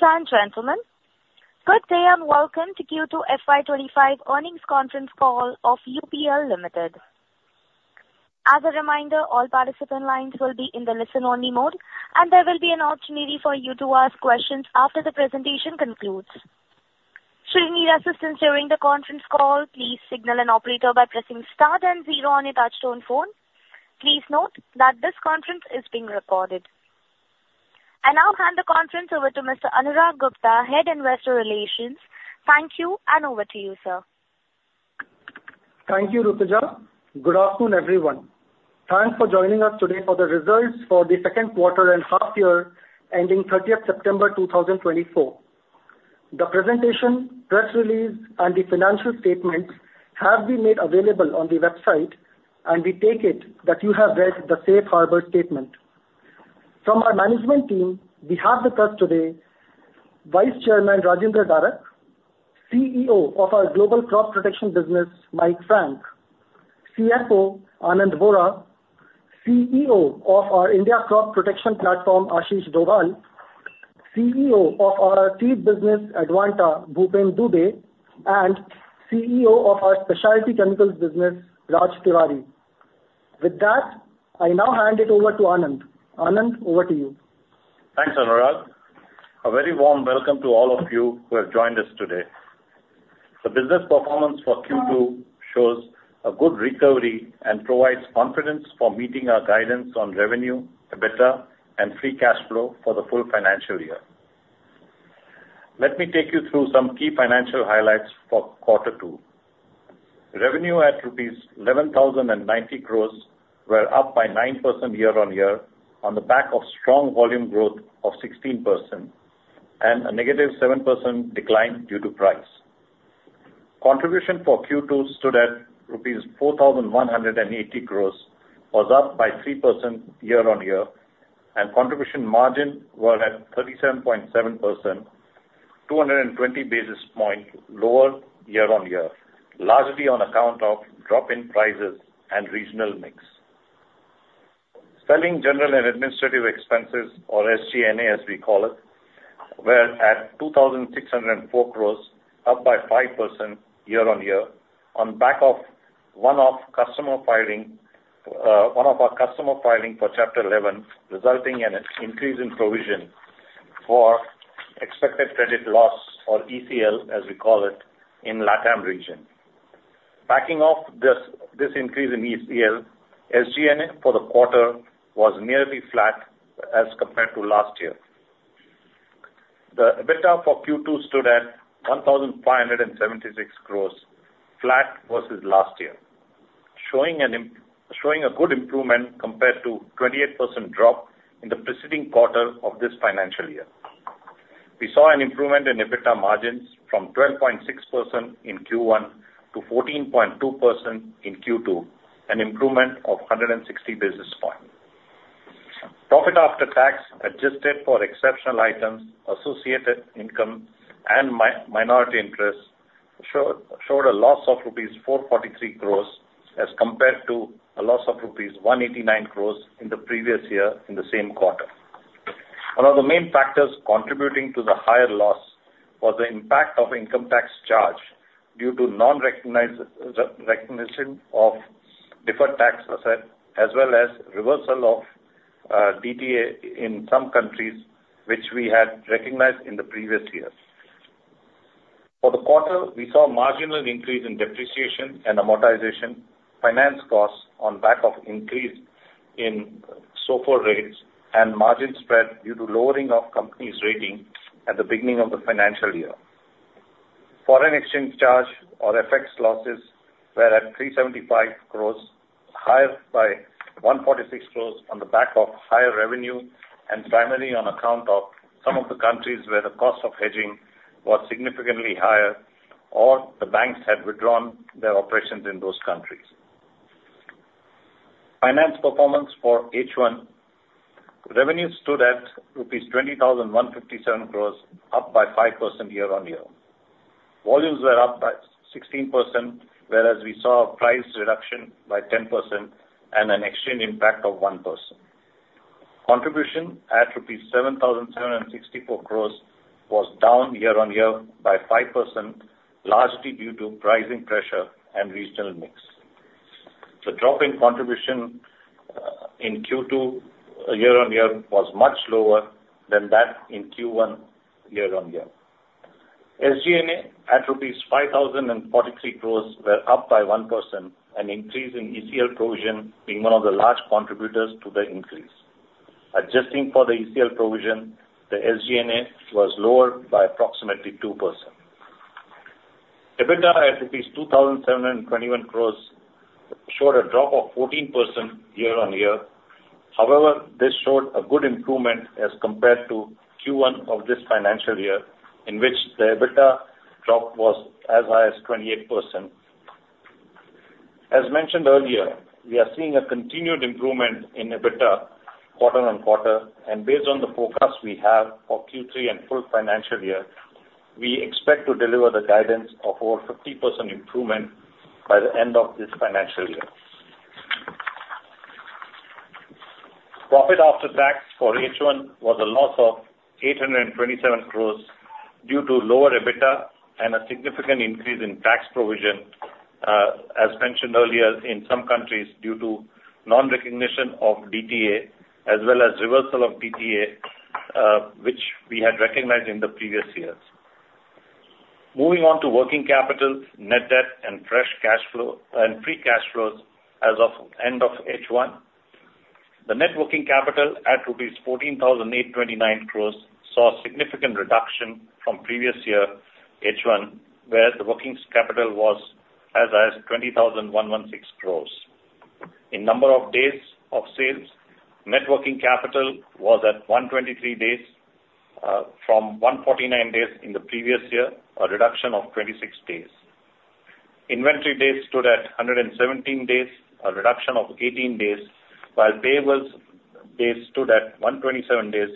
Ladies and gentlemen, good day and welcome to Q2 FY2025 earnings conference call of UPL Limited. As a reminder, all participant lines will be in the listen-only mode, and there will be an opportunity for you to ask questions after the presentation concludes. Should you need assistance during the conference call, please signal an operator by pressing star then zero on your touchtone phone. Please note that this conference is being recorded. I'll hand the conference over to Mr. Anurag Gupta, Head Investor Relations. Thank you, and over to you, sir. Thank you, Rutuja. Good afternoon, everyone. Thanks for joining us today for the results for the second quarter and half year ending 30th September 2024. The presentation, press release, and the financial statements have been made available on the website, and we take it that you have read the safe harbor statement. From our management team, we have with us today Vice Chairman Rajendra Darak, CEO of our Global Crop Protection Business, Mike Frank, CFO Anand Vora, CEO of our India Crop Protection Platform, Ashish Dobhal, CEO of our seed business, Advanta, Bhupen Dubey, and CEO of our Specialty Chemicals Business, Raj Tiwari. With that, I now hand it over to Anand. Anand, over to you. Thanks, Anurag. A very warm welcome to all of you who have joined us today. The business performance for Q2 shows a good recovery and provides confidence for meeting our guidance on revenue, EBITDA, and free cash flow for the full financial year. Let me take you through some key financial highlights for Quarter two. Revenue at INR 11,090 crores were up by 9% year-on-year on the back of strong volume growth of 16% and a negative 7% decline due to price. Contribution for Q2 stood at rupees 4,180 crores, was up by 3% year-on-year, and contribution margin were at 37.7%, 220 basis points lower year-on-year, largely on account of drop-in prices and regional mix. Selling general and administrative expenses, or SG&A as we call it, were at 2,604 crores, up by 5% year-on-year on back of one of our customer filing for Chapter 11, resulting in an increase in provision for expected credit loss, or ECL as we call it, in the LATAM region. Backing off this increase in ECL, SG&A for the quarter was nearly flat as compared to last year. The EBITDA for Q2 stood at 1,576 crores, flat versus last year, showing a good improvement compared to a 28% drop in the preceding quarter of this financial year. We saw an improvement in EBITDA margins from 12.6% in Q1 to 14.2% in Q2, an improvement of 160 basis points. Profit After Tax adjusted for exceptional items, associated income, and minority interest showed a loss of rupees 443 crores as compared to a loss of rupees 189 crores in the previous year in the same quarter. One of the main factors contributing to the higher loss was the impact of income tax charge due to non-recognition of deferred tax asset, as well as reversal of DTA in some countries, which we had recognized in the previous year. For the quarter, we saw a marginal increase in depreciation and amortization finance costs on back of increase in SOFR rates and margin spread due to lowering of companies' ratings at the beginning of the financial year. Foreign exchange charge, or FX losses, were at 375 crores, higher by 146 crores on the back of higher revenue and primarily on account of some of the countries where the cost of hedging was significantly higher or the banks had withdrawn their operations in those countries. Financial performance for H1, revenues stood at 20,157 crores rupees, up by 5% year-on-year. Volumes were up by 16%, whereas we saw a price reduction by 10% and an exchange impact of 1%. Contribution at INR 7,764 crores was down year-on-year by 5%, largely due to pricing pressure and regional mix. The drop in contribution in Q2 year-on-year was much lower than that in Q1 year-on-year. SG&A at rupees 5,043 crores were up by 1%, an increase in ECL provision being one of the large contributors to the increase. Adjusting for the ECL provision, the SG&A was lower by approximately 2%. EBITDA at rupees 2,721 crores showed a drop of 14% year-on-year. However, this showed a good improvement as compared to Q1 of this financial year, in which the EBITDA drop was as high as 28%. As mentioned earlier, we are seeing a continued improvement in EBITDA quarter on quarter, and based on the forecast we have for Q3 and full financial year, we expect to deliver the guidance of over 50% improvement by the end of this financial year. Profit after tax for H1 was a loss of 827 crores due to lower EBITDA and a significant increase in tax provision, as mentioned earlier, in some countries due to non-recognition of DTA, as well as reversal of DTA, which we had recognized in the previous years. Moving on to working capital, net debt, and free cash flows as of end of H1. The net working capital at rupees 14,829 crores saw a significant reduction from previous year H1, where the working capital was as high asINR 20,116 crores. In number of days of sales, net working capital was at 123 days from 149 days in the previous year, a reduction of 26 days. Inventory days stood at 117 days, a reduction of 18 days, while payables days stood at 127 days,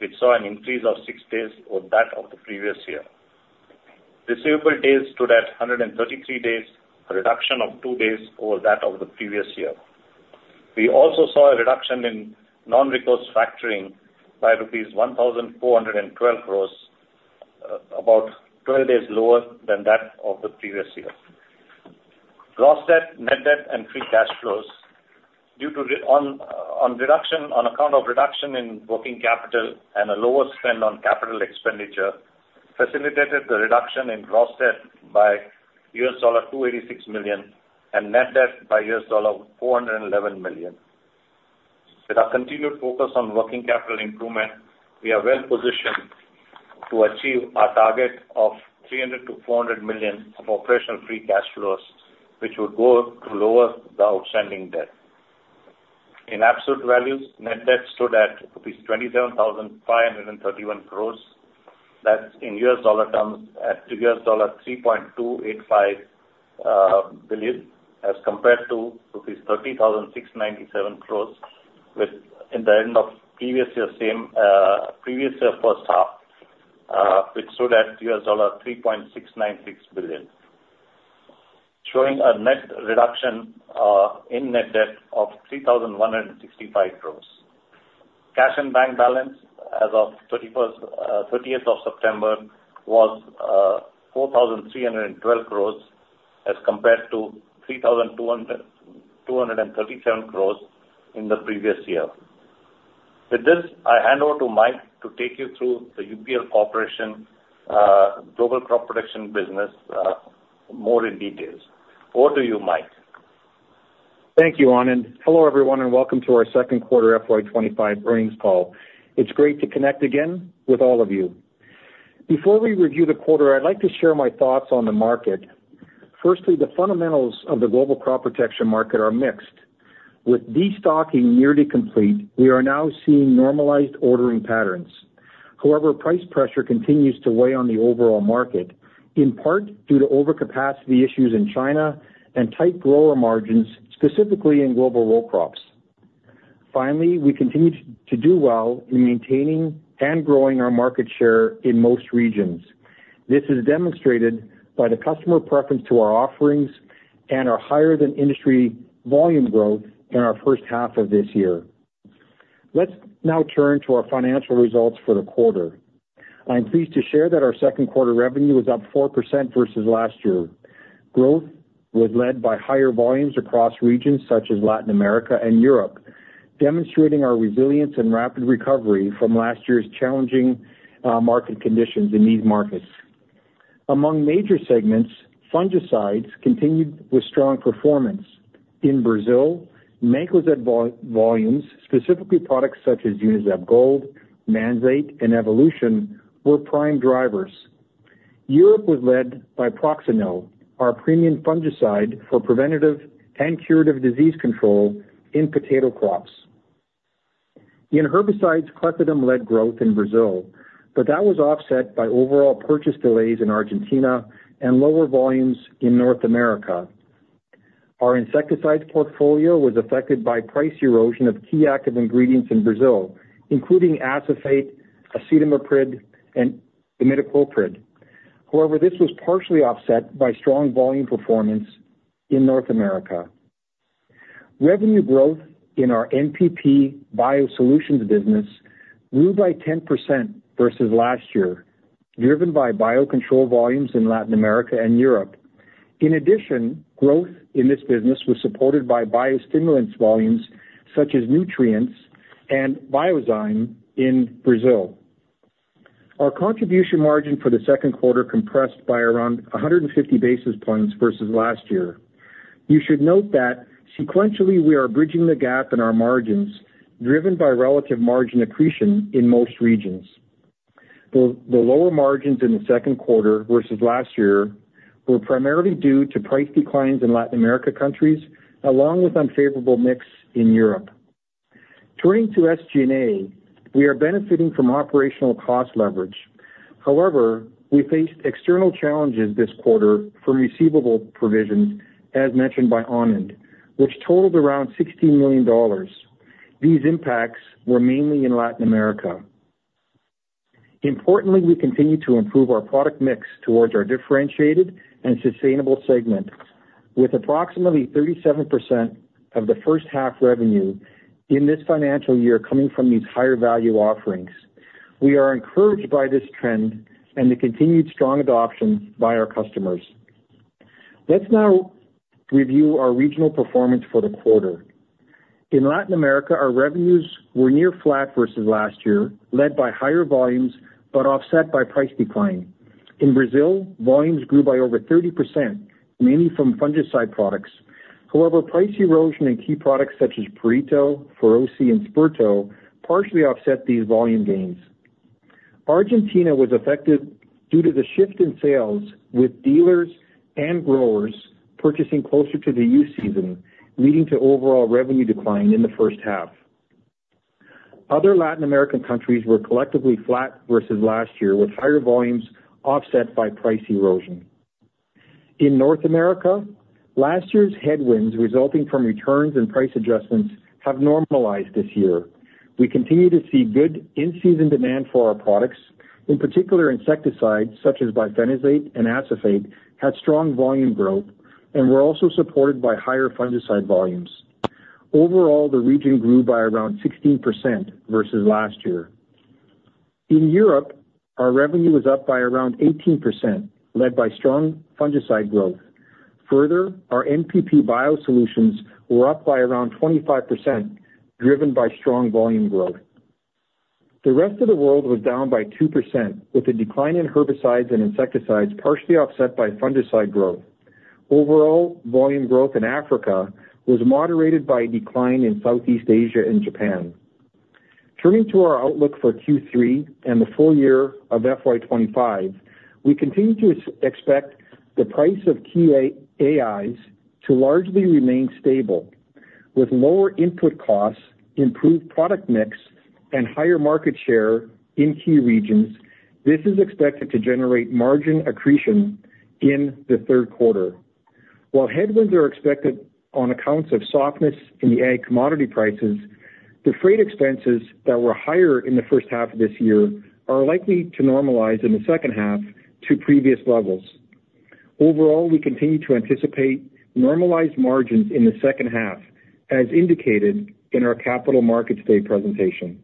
which saw an increase of 6 days over that of the previous year. Receivable days stood at 133 days, a reduction of two days over that of the previous year. We also saw a reduction in non-recourse factoring by rupees 1,412 crores, about 12 days lower than that of the previous year. Gross debt, net debt, and free cash flows, due to reduction on account of reduction in working capital and a lower spend on capital expenditure, facilitated the reduction in gross debt by $286 million and net debt by $411 million. With our continued focus on working capital improvement, we are well positioned to achieve our target of 300-400 million of operational free cash flows, which would go to lower the outstanding debt. In absolute values, net debt stood at 27,531 crores. That's in US dollar terms at $3.285 billion, as compared to rupees 30,697 crores at the end of previous year's first half, which stood at $3.696 billion, showing a net reduction in net debt of 3,165 crores. Cash and bank balance as of 30th of September was 4,312 crores, as compared to 3,237 crores in the previous year. With this, I hand over to Mike to take you through the UPL Corporation Global Crop Protection Business more in detail. Over to you, Mike. Thank you, Anand. Hello, everyone, and welcome to our second quarter FY2025 earnings call. It's great to connect again with all of you. Before we review the quarter, I'd like to share my thoughts on the market. Firstly, the fundamentals of the global crop protection market are mixed. With destocking nearly complete, we are now seeing normalized ordering patterns. However, price pressure continues to weigh on the overall market, in part due to overcapacity issues in China and tight grower margins, specifically in global row crops. Finally, we continue to do well in maintaining and growing our market share in most regions. This is demonstrated by the customer preference to our offerings and our higher-than-industry volume growth in our first half of this year. Let's now turn to our financial results for the quarter. I'm pleased to share that our second quarter revenue was up 4% versus last year. Growth was led by higher volumes across regions such as Latin America and Europe, demonstrating our resilience and rapid recovery from last year's challenging market conditions in these markets. Among major segments, fungicides continued with strong performance. In Brazil, Mancozeb volumes, specifically products such as Unizeb Gold, Manzate, and Evolution, were prime drivers. Europe was led by Proxanil, our premium fungicide for preventative and curative disease control in potato crops. In herbicides, Clethodim led growth in Brazil, but that was offset by overall purchase delays in Argentina and lower volumes in North America. Our insecticides portfolio was affected by price erosion of key active ingredients in Brazil, including Acephate, Acetamiprid, and Imidacloprid. However, this was partially offset by strong volume performance in North America. Revenue growth in our NPP biosolutions business grew by 10% versus last year, driven by biocontrol volumes in Latin America and Europe. In addition, growth in this business was supported by biostimulants volumes such as nutrients and Biozyme in Brazil. Our contribution margin for the second quarter compressed by around 150 basis points versus last year. You should note that sequentially, we are bridging the gap in our margins, driven by relative margin accretion in most regions. The lower margins in the second quarter versus last year were primarily due to price declines in Latin America countries, along with unfavorable mix in Europe. Turning to SG&A, we are benefiting from operational cost leverage. However, we faced external challenges this quarter from receivable provisions, as mentioned by Anand, which totaled around $16 million. These impacts were mainly in Latin America. Importantly, we continue to improve our product mix towards our differentiated and sustainable segment, with approximately 37% of the first half revenue in this financial year coming from these higher-value offerings. We are encouraged by this trend and the continued strong adoption by our customers. Let's now review our regional performance for the quarter. In Latin America, our revenues were near flat versus last year, led by higher volumes but offset by price decline. In Brazil, volumes grew by over 30%, mainly from fungicide products. However, price erosion in key products such as Perito, Feros, and Sperto partially offset these volume gains. Argentina was affected due to the shift in sales, with dealers and growers purchasing closer to the soy season, leading to overall revenue decline in the first half. Other Latin American countries were collectively flat versus last year, with higher volumes offset by price erosion. In North America, last year's headwinds resulting from returns and price adjustments have normalized this year. We continue to see good in-season demand for our products, in particular, insecticides such as bifenazate and acephate had strong volume growth, and were also supported by higher fungicide volumes. Overall, the region grew by around 16% versus last year. In Europe, our revenue was up by around 18%, led by strong fungicide growth. Further, our NPP biosolutions were up by around 25%, driven by strong volume growth. The rest of the world was down by 2%, with a decline in herbicides and insecticides partially offset by fungicide growth. Overall volume growth in Africa was moderated by a decline in Southeast Asia and Japan. Turning to our outlook for Q3 and the full year of FY2025, we continue to expect the price of key AIs to largely remain stable. With lower input costs, improved product mix, and higher market share in key regions, this is expected to generate margin accretion in the third quarter. While headwinds are expected on account of softness in the ag commodity prices, the freight expenses that were higher in the first half of this year are likely to normalize in the second half to previous levels. Overall, we continue to anticipate normalized margins in the second half, as indicated in our capital markets day presentation.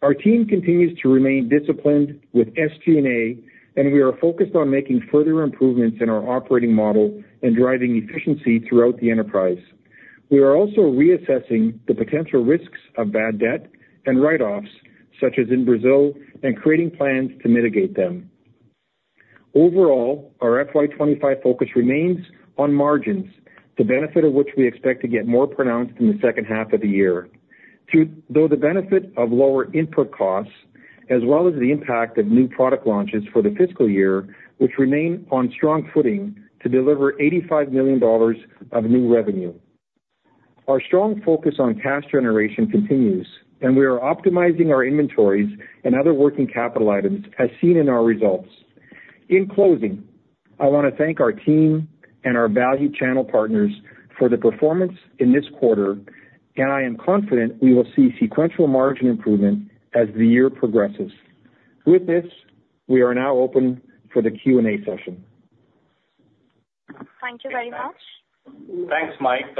Our team continues to remain disciplined with SG&A, and we are focused on making further improvements in our operating model and driving efficiency throughout the enterprise. We are also reassessing the potential risks of bad debt and write-offs, such as in Brazil, and creating plans to mitigate them. Overall, our FY2025 focus remains on margins, the benefit of which we expect to get more pronounced in the second half of the year, though the benefit of lower input costs, as well as the impact of new product launches for the fiscal year, which remain on strong footing to deliver $85 million of new revenue. Our strong focus on cash generation continues, and we are optimizing our inventories and other working capital items, as seen in our results. In closing, I want to thank our team and our valued channel partners for the performance in this quarter, and I am confident we will see sequential margin improvement as the year progresses. With this, we are now open for the Q&A session. Thank you very much. Thanks, Mike.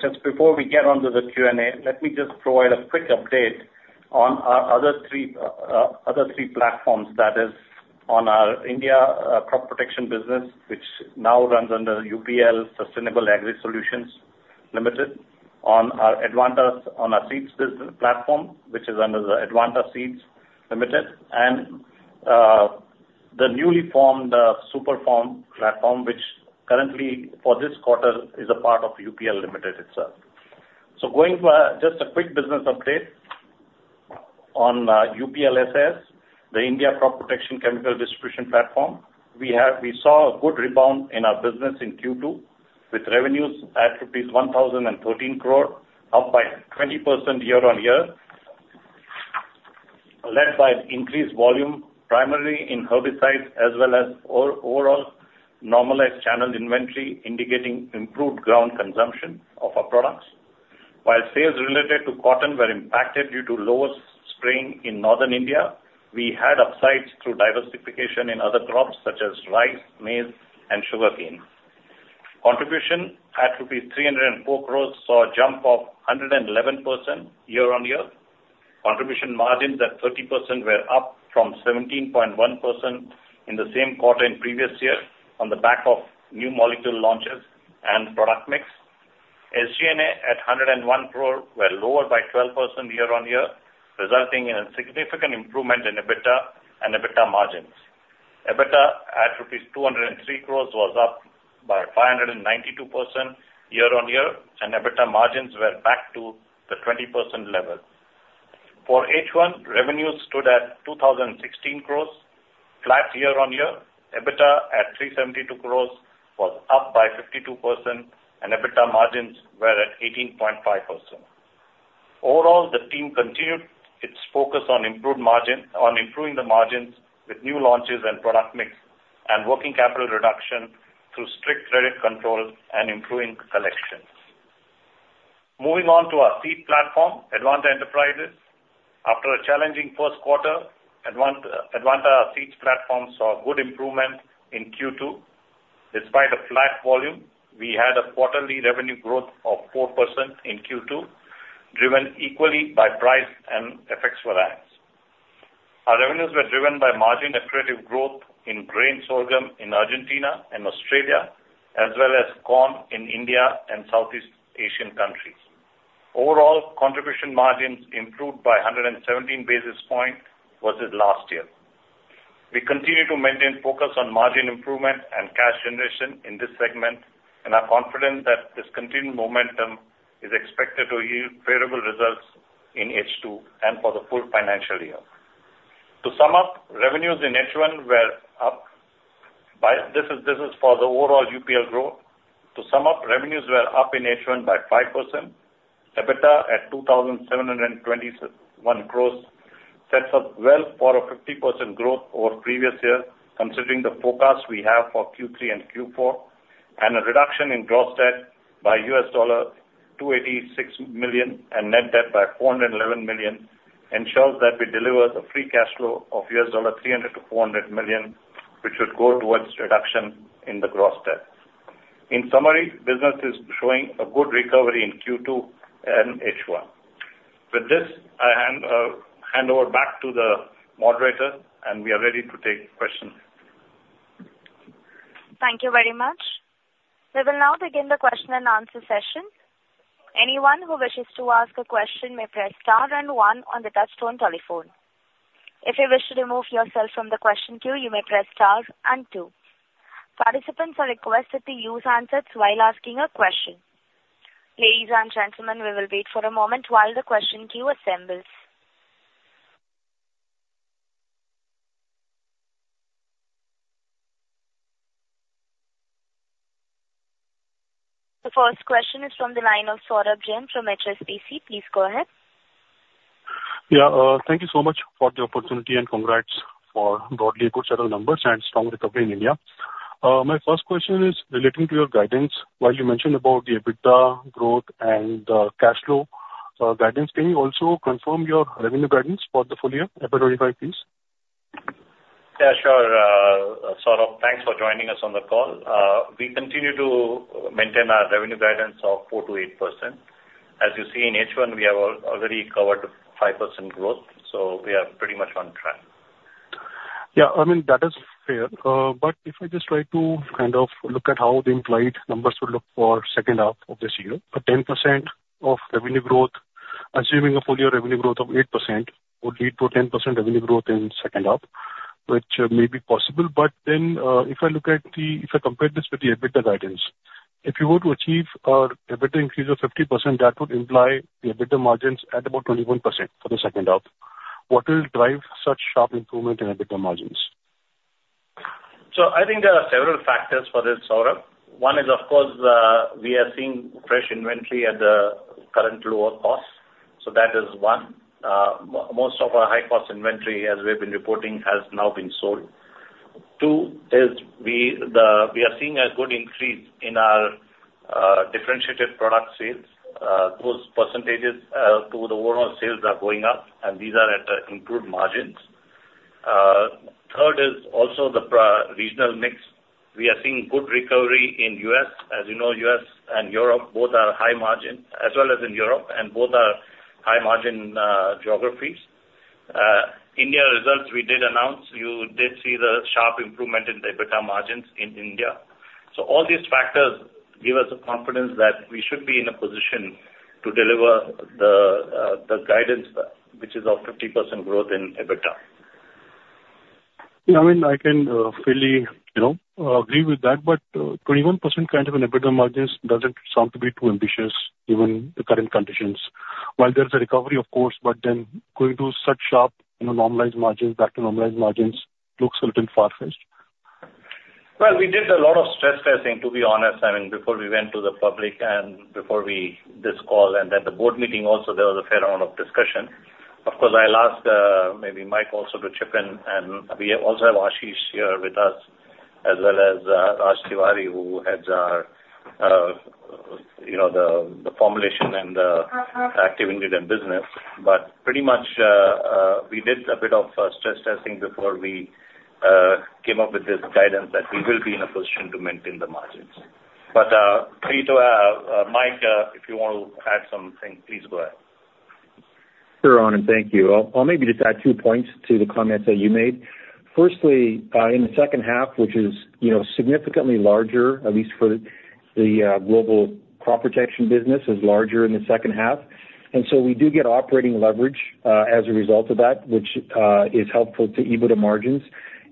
Just before we get on to the Q&A, let me just provide a quick update on our other three platforms. That is, on our India Crop Protection Business, which now runs under UPL Sustainable Agri Solutions Limited, on our Advanta Seeds Business platform, which is under the Advanta Seeds Limited, and the newly formed SuperFarm platform, which currently, for this quarter, is a part of UPL Limited itself. So going for just a quick business update on UP SAS, the India Crop Protection Chemical Distribution platform, we saw a good rebound in our business in Q2, with revenues at rupees 1,013 crore, up by 20% year on year, led by increased volume, primarily in herbicides, as well as overall normalized channel inventory, indicating improved ground consumption of our products. While sales related to cotton were impacted due to lower spraying in northern India, we had upsides through diversification in other crops, such as rice, maize, and sugarcane. Contribution at rupees 304 crores saw a jump of 111% year on year. Contribution margins at 30% were up from 17.1% in the same quarter in previous year on the back of new molecule launches and product mix. SG&A at 101 crore were lower by 12% year on year, resulting in a significant improvement in EBITDA and EBITDA margins. EBITDA at rupees 203 crores was up by 592% year on year, and EBITDA margins were back to the 20% level. For H1, revenues stood at 2,016 crores, flat year on year. EBITDA at 372 crores was up by 52%, and EBITDA margins were at 18.5%. Overall, the team continued its focus on improving the margins with new launches and product mix and working capital reduction through strict credit control and improving collections. Moving on to our seed platform, Advanta Enterprises. After a challenging first quarter, Advanta Seeds platform saw good improvement in Q2. Despite a flat volume, we had a quarterly revenue growth of 4% in Q2, driven equally by price and effects variance. Our revenues were driven by margin accretive growth in grain sorghum in Argentina and Australia, as well as corn in India and Southeast Asian countries. Overall, contribution margins improved by 117 basis points versus last year. We continue to maintain focus on margin improvement and cash generation in this segment, and are confident that this continued momentum is expected to yield favorable results in H2 and for the full financial year. To sum up, revenues in H1 were up. This is for the overall UPL growth. To sum up, revenues were up in H1 by 5%. EBITDA at 2,721 crores sets up well for a 50% growth over previous year, considering the forecast we have for Q3 and Q4, and a reduction in gross debt by $286 million and net debt by $411 million ensures that we deliver the free cash flow of $300 to $400 million, which should go towards reduction in the gross debt. In summary, business is showing a good recovery in Q2 and H1. With this, I hand over back to the moderator, and we are ready to take questions. Thank you very much. We will now begin the question and answer session. Anyone who wishes to ask a question may press star and one on the touch-tone telephone. If you wish to remove yourself from the question queue, you may press star and two. Participants are requested to use handsets while asking a question. Ladies and gentlemen, we will wait for a moment while the question queue assembles. The first question is from the line of Saurabh Jain from HSBC. Please go ahead. Yeah, thank you so much for the opportunity and congrats for broadly good share of numbers and strong recovery in India. My first question is relating to your guidance. While you mentioned about the EBITDA growth and the cash flow guidance, can you also confirm your revenue guidance for the full year, FY 2025, please? Yeah, sure. Saurabh, thanks for joining us on the call. We continue to maintain our revenue guidance of 4%-8%. As you see in H1, we have already covered 5% growth, so we are pretty much on track. Yeah, I mean, that is fair. But if I just try to kind of look at how the employee numbers would look for second half of this year, a 10% of revenue growth, assuming a full year revenue growth of 8%, would lead to a 10% revenue growth in second half, which may be possible. But then if I look at the, if I compare this with the EBITDA guidance, if you were to achieve an EBITDA increase of 50%, that would imply the EBITDA margins at about 21% for the second half. What will drive such sharp improvement in EBITDA margins? So I think there are several factors for this, Saurabh. One is, of course, we are seeing fresh inventory at the current lower cost. So that is one. Most of our high-cost inventory, as we have been reporting, has now been sold. Two is we are seeing a good increase in our differentiated product sales. Those percentages to the overall sales are going up, and these are at improved margins. Third is also the regional mix. We are seeing good recovery in the U.S. As you know, U.S. and Europe both are high margin, as well as in Europe, and both are high-margin geographies. India results, we did announce. You did see the sharp improvement in the EBITDA margins in India. So all these factors give us the confidence that we should be in a position to deliver the guidance, which is of 50% growth in EBITDA. Yeah, I mean, I can fully agree with that, but 21% kind of an EBITDA margins doesn't sound to be too ambitious, given the current conditions. While there's a recovery, of course, but then going to such sharp normalized margins, back to normalized margins, looks a little far-fetched. We did a lot of stress testing, to be honest. I mean, before we went to the public and before this call and then the board meeting also, there was a fair amount of discussion. Of course, I'll ask maybe Mike also to chip in, and we also have Ashish here with us, as well as Raj Tiwari, who heads the formulation and the active ingredient business. Pretty much we did a bit of stress testing before we came up with this guidance that we will be in a position to maintain the margins. Mike, if you want to add something, please go ahead. Sure, Anand, thank you. I'll maybe just add two points to the comments that you made. Firstly, in the second half, which is significantly larger, at least for the global crop protection business, is larger in the second half. And so we do get operating leverage as a result of that, which is helpful to EBITDA margins.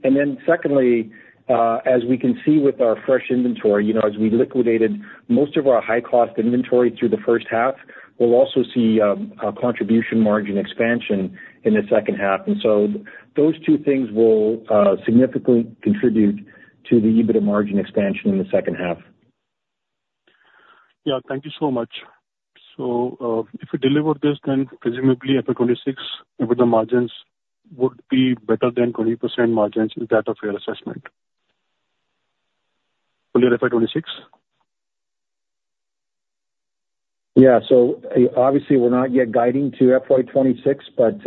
And then secondly, as we can see with our fresh inventory, as we liquidated most of our high-cost inventory through the first half, we'll also see a contribution margin expansion in the second half. And so those two things will significantly contribute to the EBITDA margin expansion in the second half. Yeah, thank you so much. So if we deliver this, then presumably FY2026, EBITDA margins would be better than 20% margins. Is that a fair assessment? Earlier FY2026? Yeah, so obviously we're not yet guiding to FY26, but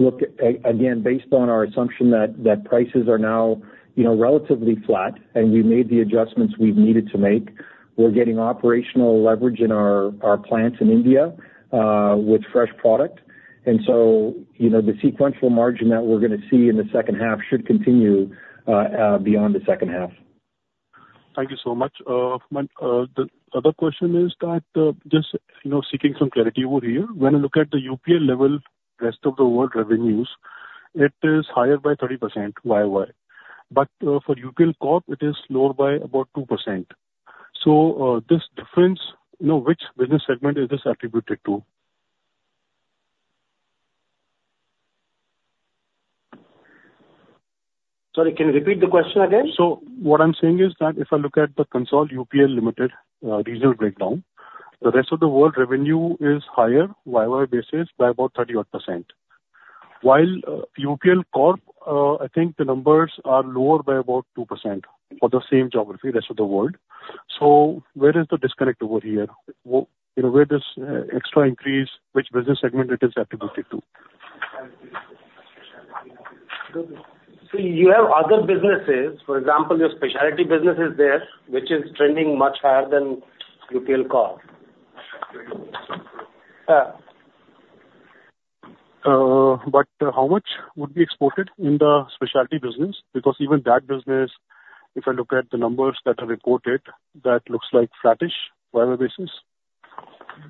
look, again, based on our assumption that prices are now relatively flat and we've made the adjustments we've needed to make, we're getting operational leverage in our plants in India with fresh product. And so the sequential margin that we're going to see in the second half should continue beyond the second half. Thank you so much. The other question is that just seeking some clarity over here. When I look at the UPL level, rest of the world revenues, it is higher by 30% YY. But for UPL Corp, it is lower by about 2%. So this difference, which business segment is this attributed to? Sorry, can you repeat the question again? What I'm saying is that if I look at the consolidated UPL Limited regional breakdown, the rest of the world revenue is higher YY basis by about 31%. While UPL Corp, I think the numbers are lower by about 2% for the same geography, rest of the world. Where is the disconnect over here? Where does extra increase, which business segment it is attributed to? So you have other businesses. For example, your specialty business is there, which is trending much higher than UPL Corp. But how much would be exported in the specialty business? Because even that business, if I look at the numbers that are reported, that looks like flattish YY basis.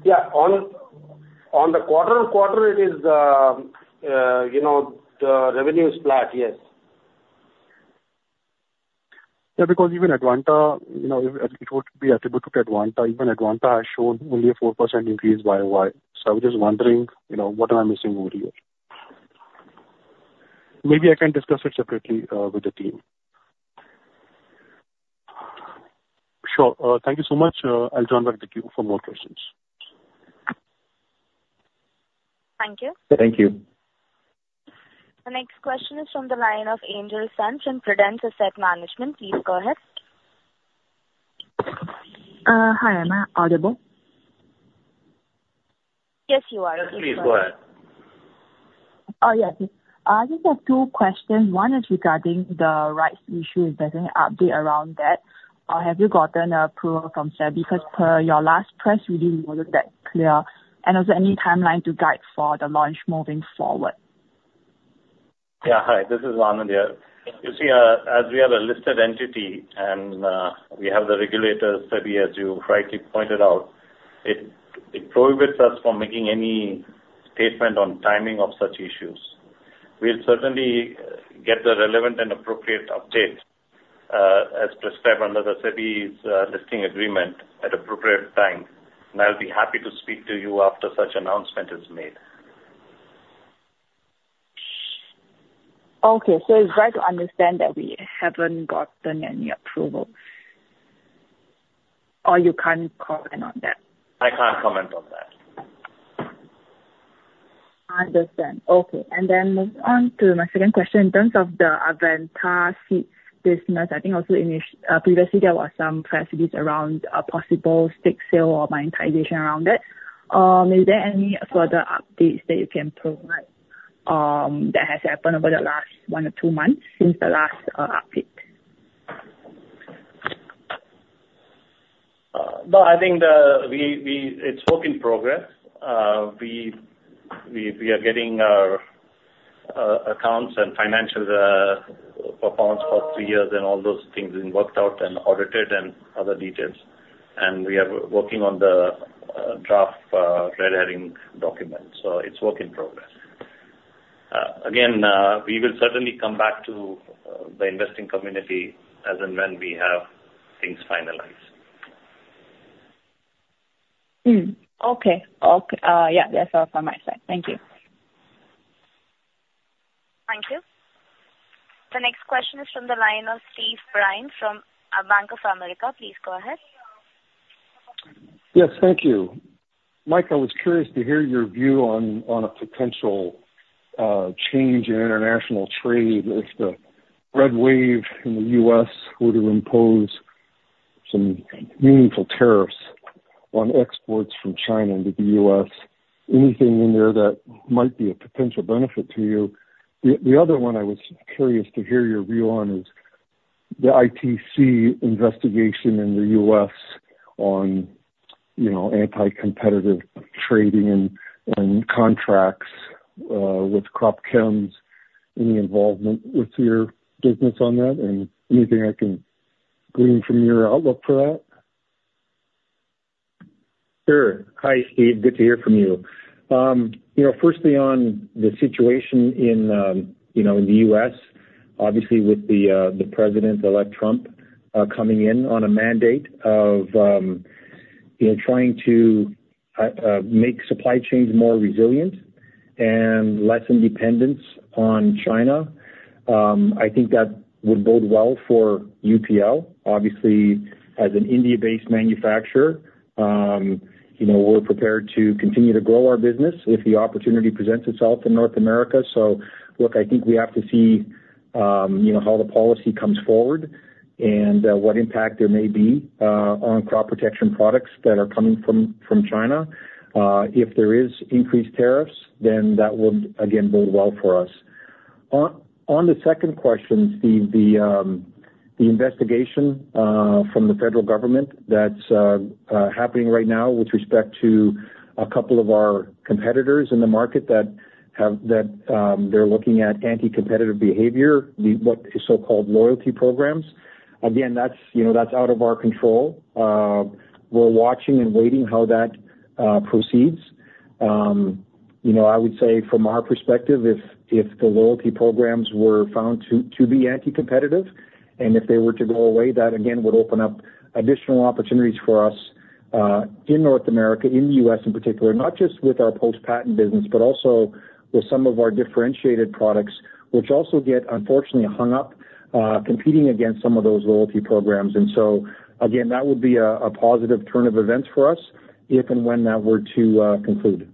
Yeah, on the quarter-on-quarter, it is the revenue is flat, yes. Yeah, because even Advanta, it would be attributed to Advanta. Even Advanta has shown only a 4% increase YY. So I was just wondering what am I missing over here. Maybe I can discuss it separately with the team. Sure. Thank you so much. I'll turn back to you for more questions. Thank you. Thank you. The next question is from the line of Angel Sun and Prudence Asset Management. Please go ahead. Hi, Amna. Audible? Yes, you are. Yes, please go ahead. Oh, yes. I just have two questions. One is regarding the rights issue. Is there any update around that? Or have you gotten approval from SEBI? Because per your last press, we didn't know that clear. And also any timeline to guide for the launch moving forward? Yeah, hi. This is Anand here. You see, as we have a listed entity and we have the regulator, SEBI, as you rightly pointed out, it prohibits us from making any statement on timing of such issues. We'll certainly get the relevant and appropriate updates as prescribed under the SEBI's listing agreement at appropriate time. And I'll be happy to speak to you after such announcement is made. Okay. So it's right to understand that we haven't gotten any approval. Or you can't comment on that? I can't comment on that. I understand. Okay. And then moving on to my second question. In terms of the Advanta seeds business, I think also previously there were some press releases around a possible stake sale or monetization around it. Is there any further updates that you can provide that has happened over the last one or two months since the last update? No, I think it's work in progress. We are getting our accounts and financial performance for three years and all those things worked out and audited and other details, and we are working on the draft red herring document, so it's work in progress. Again, we will certainly come back to the investing community as and when we have things finalized. Okay. Yeah, that's all from my side. Thank you. Thank you. The next question is from the line of Steve Byrne from Bank of America. Please go ahead. Yes, thank you. Mike, I was curious to hear your view on a potential change in international trade if the red wave in the U.S. were to impose some meaningful tariffs on exports from China into the U.S. Anything in there that might be a potential benefit to you? The other one I was curious to hear your view on is the ITC investigation in the U.S. on anti-competitive trading and contracts with Cropchems. Any involvement with your business on that? And anything I can glean from your outlook for that? Sure. Hi, Steve. Good to hear from you. Firstly, on the situation in the U.S., obviously with the president-elect Trump coming in on a mandate of trying to make supply chains more resilient and less dependence on China, I think that would bode well for UPL. Obviously, as an India-based manufacturer, we're prepared to continue to grow our business if the opportunity presents itself in North America. So look, I think we have to see how the policy comes forward and what impact there may be on crop protection products that are coming from China. If there is increased tariffs, then that would, again, bode well for us. On the second question, Steve, the investigation from the federal government that's happening right now with respect to a couple of our competitors in the market that they're looking at anti-competitive behavior, what is so-called loyalty programs. Again, that's out of our control. We're watching and waiting how that proceeds. I would say from our perspective, if the loyalty programs were found to be anti-competitive and if they were to go away, that again would open up additional opportunities for us in North America, in the U.S. in particular, not just with our post-patent business, but also with some of our differentiated products, which also get, unfortunately, hung up competing against some of those loyalty programs. And so again, that would be a positive turn of events for us if and when that were to conclude.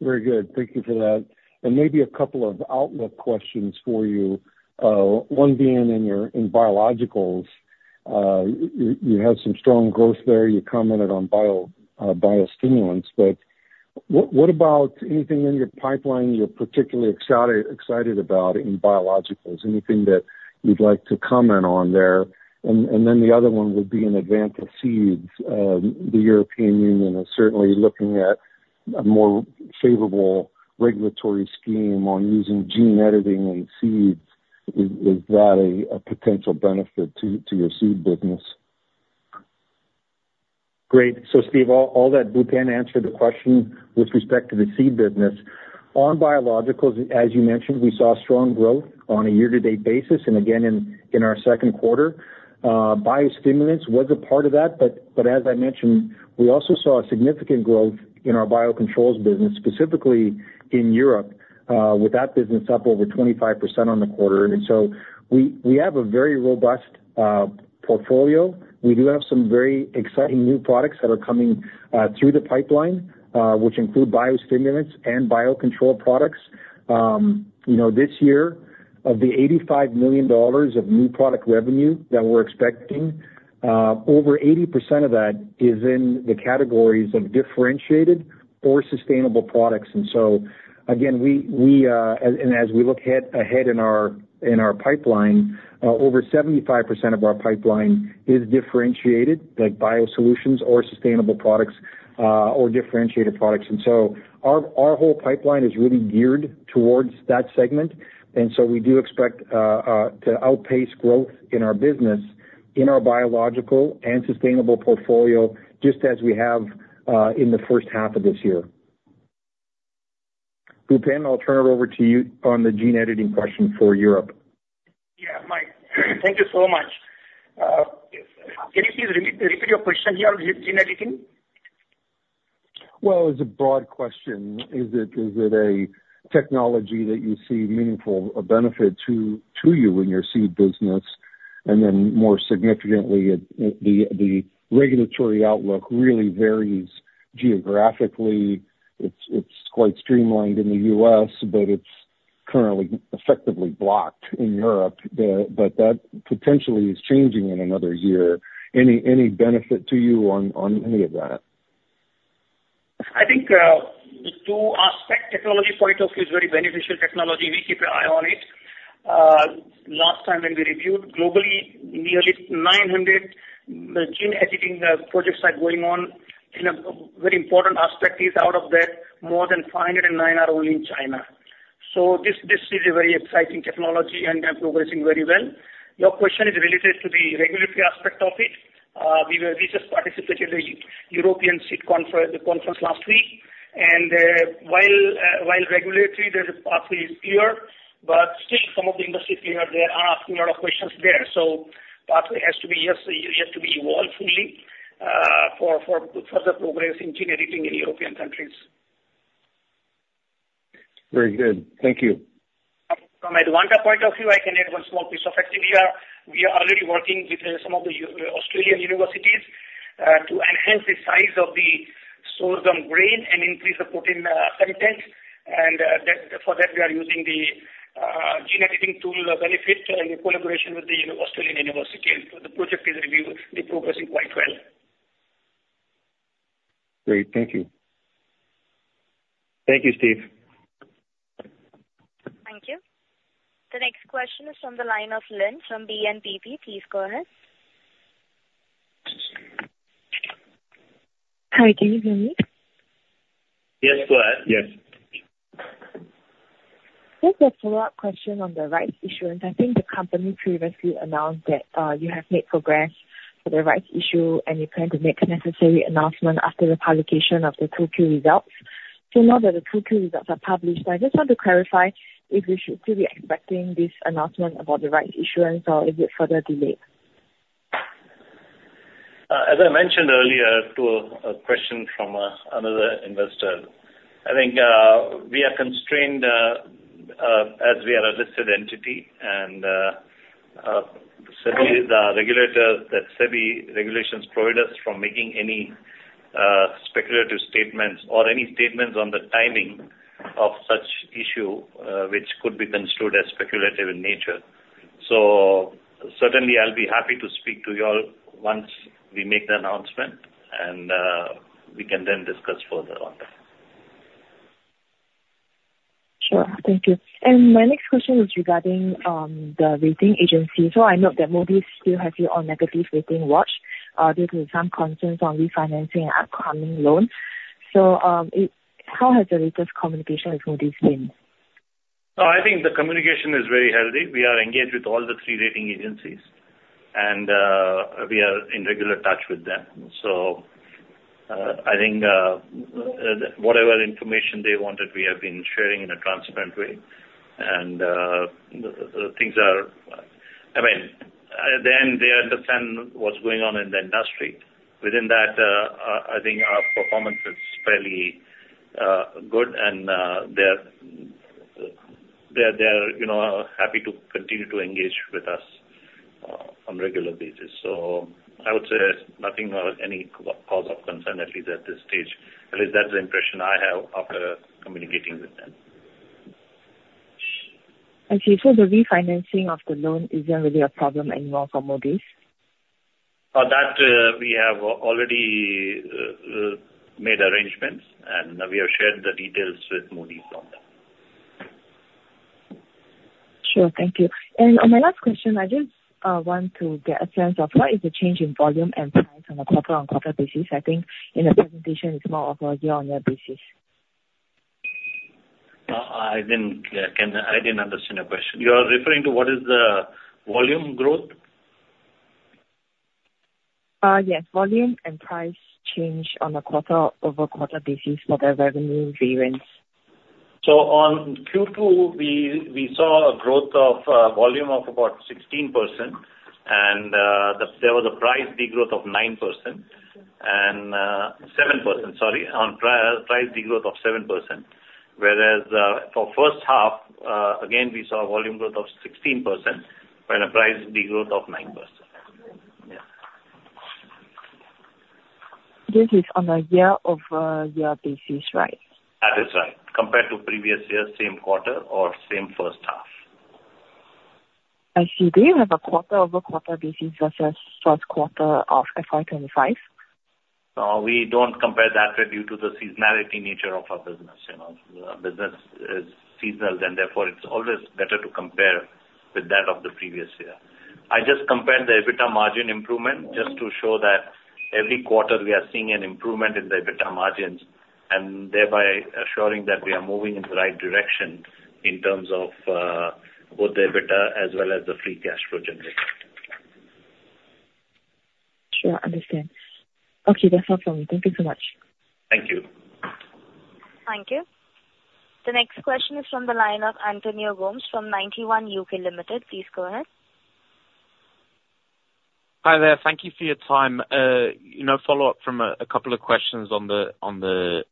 Very good. Thank you for that. And maybe a couple of outlook questions for you. One being in biologicals, you have some strong growth there. You commented on biostimulants. But what about anything in your pipeline you're particularly excited about in biologicals? Anything that you'd like to comment on there? And then the other one would be in Advanta Seeds. The European Union is certainly looking at a more favorable regulatory scheme on using gene editing in seeds. Is that a potential benefit to your seed business? Great. So Steve, that answers the question with respect to the seed business. On biologicals, as you mentioned, we saw strong growth on a year-to-date basis, and again in our second quarter. Biostimulants was a part of that. But as I mentioned, we also saw significant growth in our biocontrols business, specifically in Europe, with that business up over 25% on the quarter. And so we have a very robust portfolio. We do have some very exciting new products that are coming through the pipeline, which include biostimulants and biocontrol products. This year, of the $85 million of new product revenue that we're expecting, over 80% of that is in the categories of differentiated or sustainable products. And so again, as we look ahead in our pipeline, over 75% of our pipeline is differentiated, like biosolutions or sustainable products or differentiated products. And so our whole pipeline is really geared towards that segment. And so we do expect to outpace growth in our business in our biological and sustainable portfolio, just as we have in the first half of this year. Bhupen, I'll turn it over to you on the gene editing question for Europe. Yeah, Mike. Thank you so much. Can you please repeat your question here on gene editing? It's a broad question. Is it a technology that you see meaningful benefit to you in your seed business? And then more significantly, the regulatory outlook really varies geographically. It's quite streamlined in the U.S., but it's currently effectively blocked in Europe. But that potentially is changing in another year. Any benefit to you on any of that? I think from a technology point of view it is very beneficial technology. We keep an eye on it. Last time when we reviewed, globally, nearly 900 gene editing projects are going on. A very important aspect is out of that, more than 509 are only in China. So this is a very exciting technology and they're progressing very well. Your question is related to the regulatory aspect of it. We just participated in the European Seed Conference last week, and while the regulatory pathway is clear, but still some of the industry is concerned that they are asking a lot of questions there. So the pathway has to be evolved fully for further progress in gene editing in European countries. Very good. Thank you. From Advanta's point of view, I can add one small piece of fact. We are already working with some of the Australian universities to enhance the size of the sorghum grain and increase the protein content, and for that, we are using the gene editing tool benefit in collaboration with the Australian university, and the project is progressing quite well. Great. Thank you. Thank you, Steve. Thank you. The next question is from the line of Lynn from BNP. Please go ahead. Hi, can you hear me? Yes, go ahead. Yes. Just a follow-up question on the rights issue. I think the company previously announced that you have made progress for the rights issue and you plan to make a necessary announcement after the publication of the UPL results. So now that the UPL results are published, I just want to clarify if we should still be expecting this announcement about the rights issue and so is it further delayed? As I mentioned earlier, to a question from another investor, I think we are constrained as we are a listed entity. And the regulator that SEBI regulations prohibit us from making any speculative statements or any statements on the timing of such issue, which could be construed as speculative in nature. So certainly, I'll be happy to speak to you all once we make the announcement, and we can then discuss further on that. Sure. Thank you. And my next question is regarding the rating agency. So I note that Moody's still has you on negative rating watch due to some concerns on refinancing and upcoming loans. So how has the latest communication with Moody's been? Oh, I think the communication is very healthy. We are engaged with all the three rating agencies, and we are in regular touch with them. So I think whatever information they wanted, we have been sharing in a transparent way. And things are I mean, they understand what's going on in the industry. Within that, I think our performance is fairly good, and they're happy to continue to engage with us on a regular basis. So I would say nothing of any cause of concern, at least at this stage. At least that's the impression I have after communicating with them. For the refinancing of the loan, is there really a problem anymore for Moody's? Oh, that we have already made arrangements, and we have shared the details with Moody's on that. Sure. Thank you. And on my last question, I just want to get a sense of what is the change in volume and price on a quarter-on-quarter basis? I think in the presentation, it's more of a year-on-year basis. I didn't understand your question. You are referring to what is the volume growth? Yes. Volume and price change on a quarter-over-quarter basis for the revenue variance. So on Q2, we saw a growth of volume of about 16%, and there was a price degrowth of 9% and 7%, sorry, a price degrowth of 7%. Whereas for first half, again, we saw a volume growth of 16% and a price degrowth of 9%. Yeah. This is on a year-over-year basis, right? That is right. Compared to previous year, same quarter or same first half. I see. Do you have a quarter-over-quarter basis versus first quarter of FY2025? No, we don't compare that due to the seasonal nature of our business. The business is seasonal, and therefore, it's always better to compare with that of the previous year. I just compared the EBITDA margin improvement just to show that every quarter we are seeing an improvement in the EBITDA margins and thereby assuring that we are moving in the right direction in terms of both the EBITDA as well as the free cash flow generation. Sure. Understood. Okay. That's all from me. Thank you so much. Thank you. Thank you. The next question is from the line of Antonio Gomes from Ninety One UK Limited. Please go ahead. Hi there. Thank you for your time. Follow-up from a couple of questions from the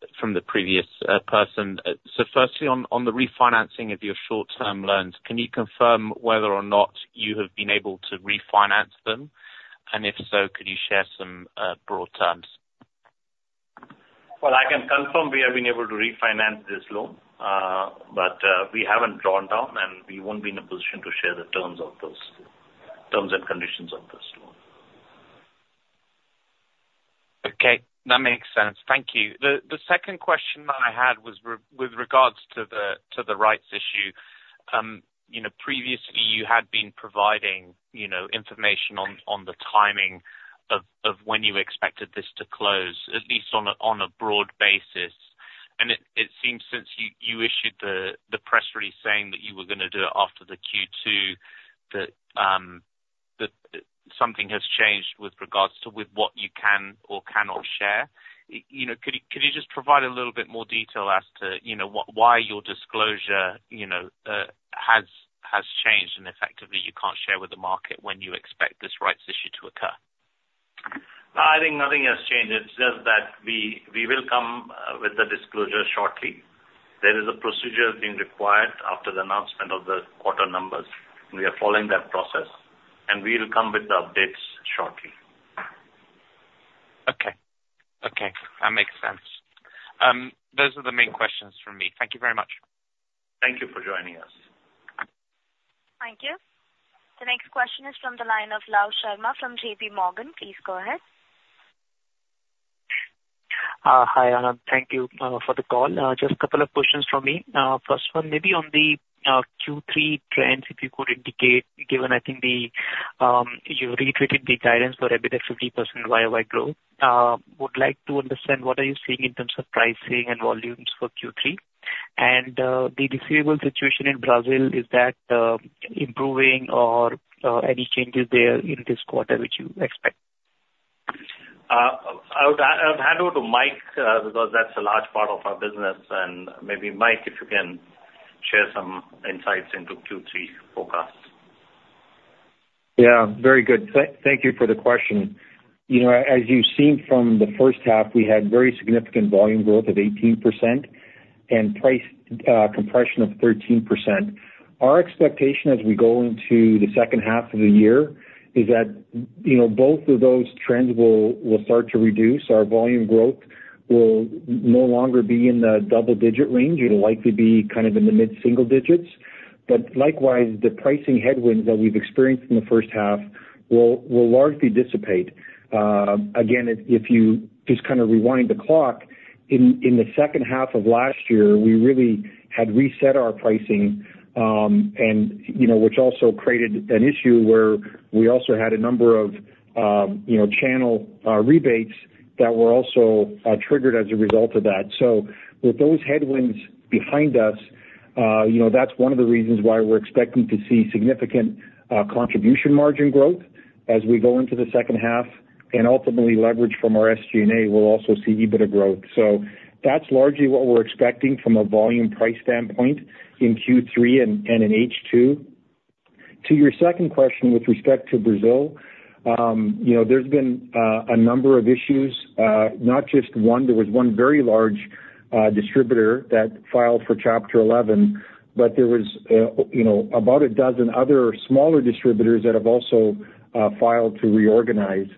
previous person. So firstly, on the refinancing of your short-term loans, can you confirm whether or not you have been able to refinance them? And if so, could you share some broad terms? I can confirm we have been able to refinance this loan, but we haven't drawn down, and we won't be in a position to share the terms and conditions of this loan. Okay. That makes sense. Thank you. The second question that I had was with regards to the rights issue. Previously, you had been providing information on the timing of when you expected this to close, at least on a broad basis. And it seems since you issued the press release saying that you were going to do it after the Q2, that something has changed with regards to what you can or cannot share. Could you just provide a little bit more detail as to why your disclosure has changed and effectively you can't share with the market when you expect this rights issue to occur? I think nothing has changed. It's just that we will come with the disclosure shortly. There is a procedure being required after the announcement of the quarter numbers. We are following that process, and we will come with the updates shortly. Okay. Okay. That makes sense. Those are the main questions for me. Thank you very much. Thank you for joining us. Thank you. The next question is from the line of Love Sharma from JPMorgan. Please go ahead. Hi, Anand. Thank you for the call. Just a couple of questions from me. First one, maybe on the Q3 trends, if you could indicate, given I think you reiterated the guidance for EBITDA 50% YOY growth, would like to understand what are you seeing in terms of pricing and volumes for Q3? And the disease situation in Brazil, is that improving or any changes there in this quarter which you expect? I'll hand over to Mike because that's a large part of our business, and maybe Mike, if you can share some insights into Q3 forecasts. Yeah. Very good. Thank you for the question. As you've seen from the first half, we had very significant volume growth of 18% and price compression of 13%. Our expectation as we go into the second half of the year is that both of those trends will start to reduce. Our volume growth will no longer be in the double-digit range. It'll likely be kind of in the mid-single digits. But likewise, the pricing headwinds that we've experienced in the first half will largely dissipate. Again, if you just kind of rewind the clock, in the second half of last year, we really had reset our pricing, which also created an issue where we also had a number of channel rebates that were also triggered as a result of that. So with those headwinds behind us, that's one of the reasons why we're expecting to see significant contribution margin growth as we go into the second half. And ultimately, leverage from our SG&A will also see EBITDA growth. So that's largely what we're expecting from a volume price standpoint in Q3 and in H2. To your second question with respect to Brazil, there's been a number of issues, not just one. There was one very large distributor that filed for Chapter 11, but there was about a dozen other smaller distributors that have also filed to reorganize.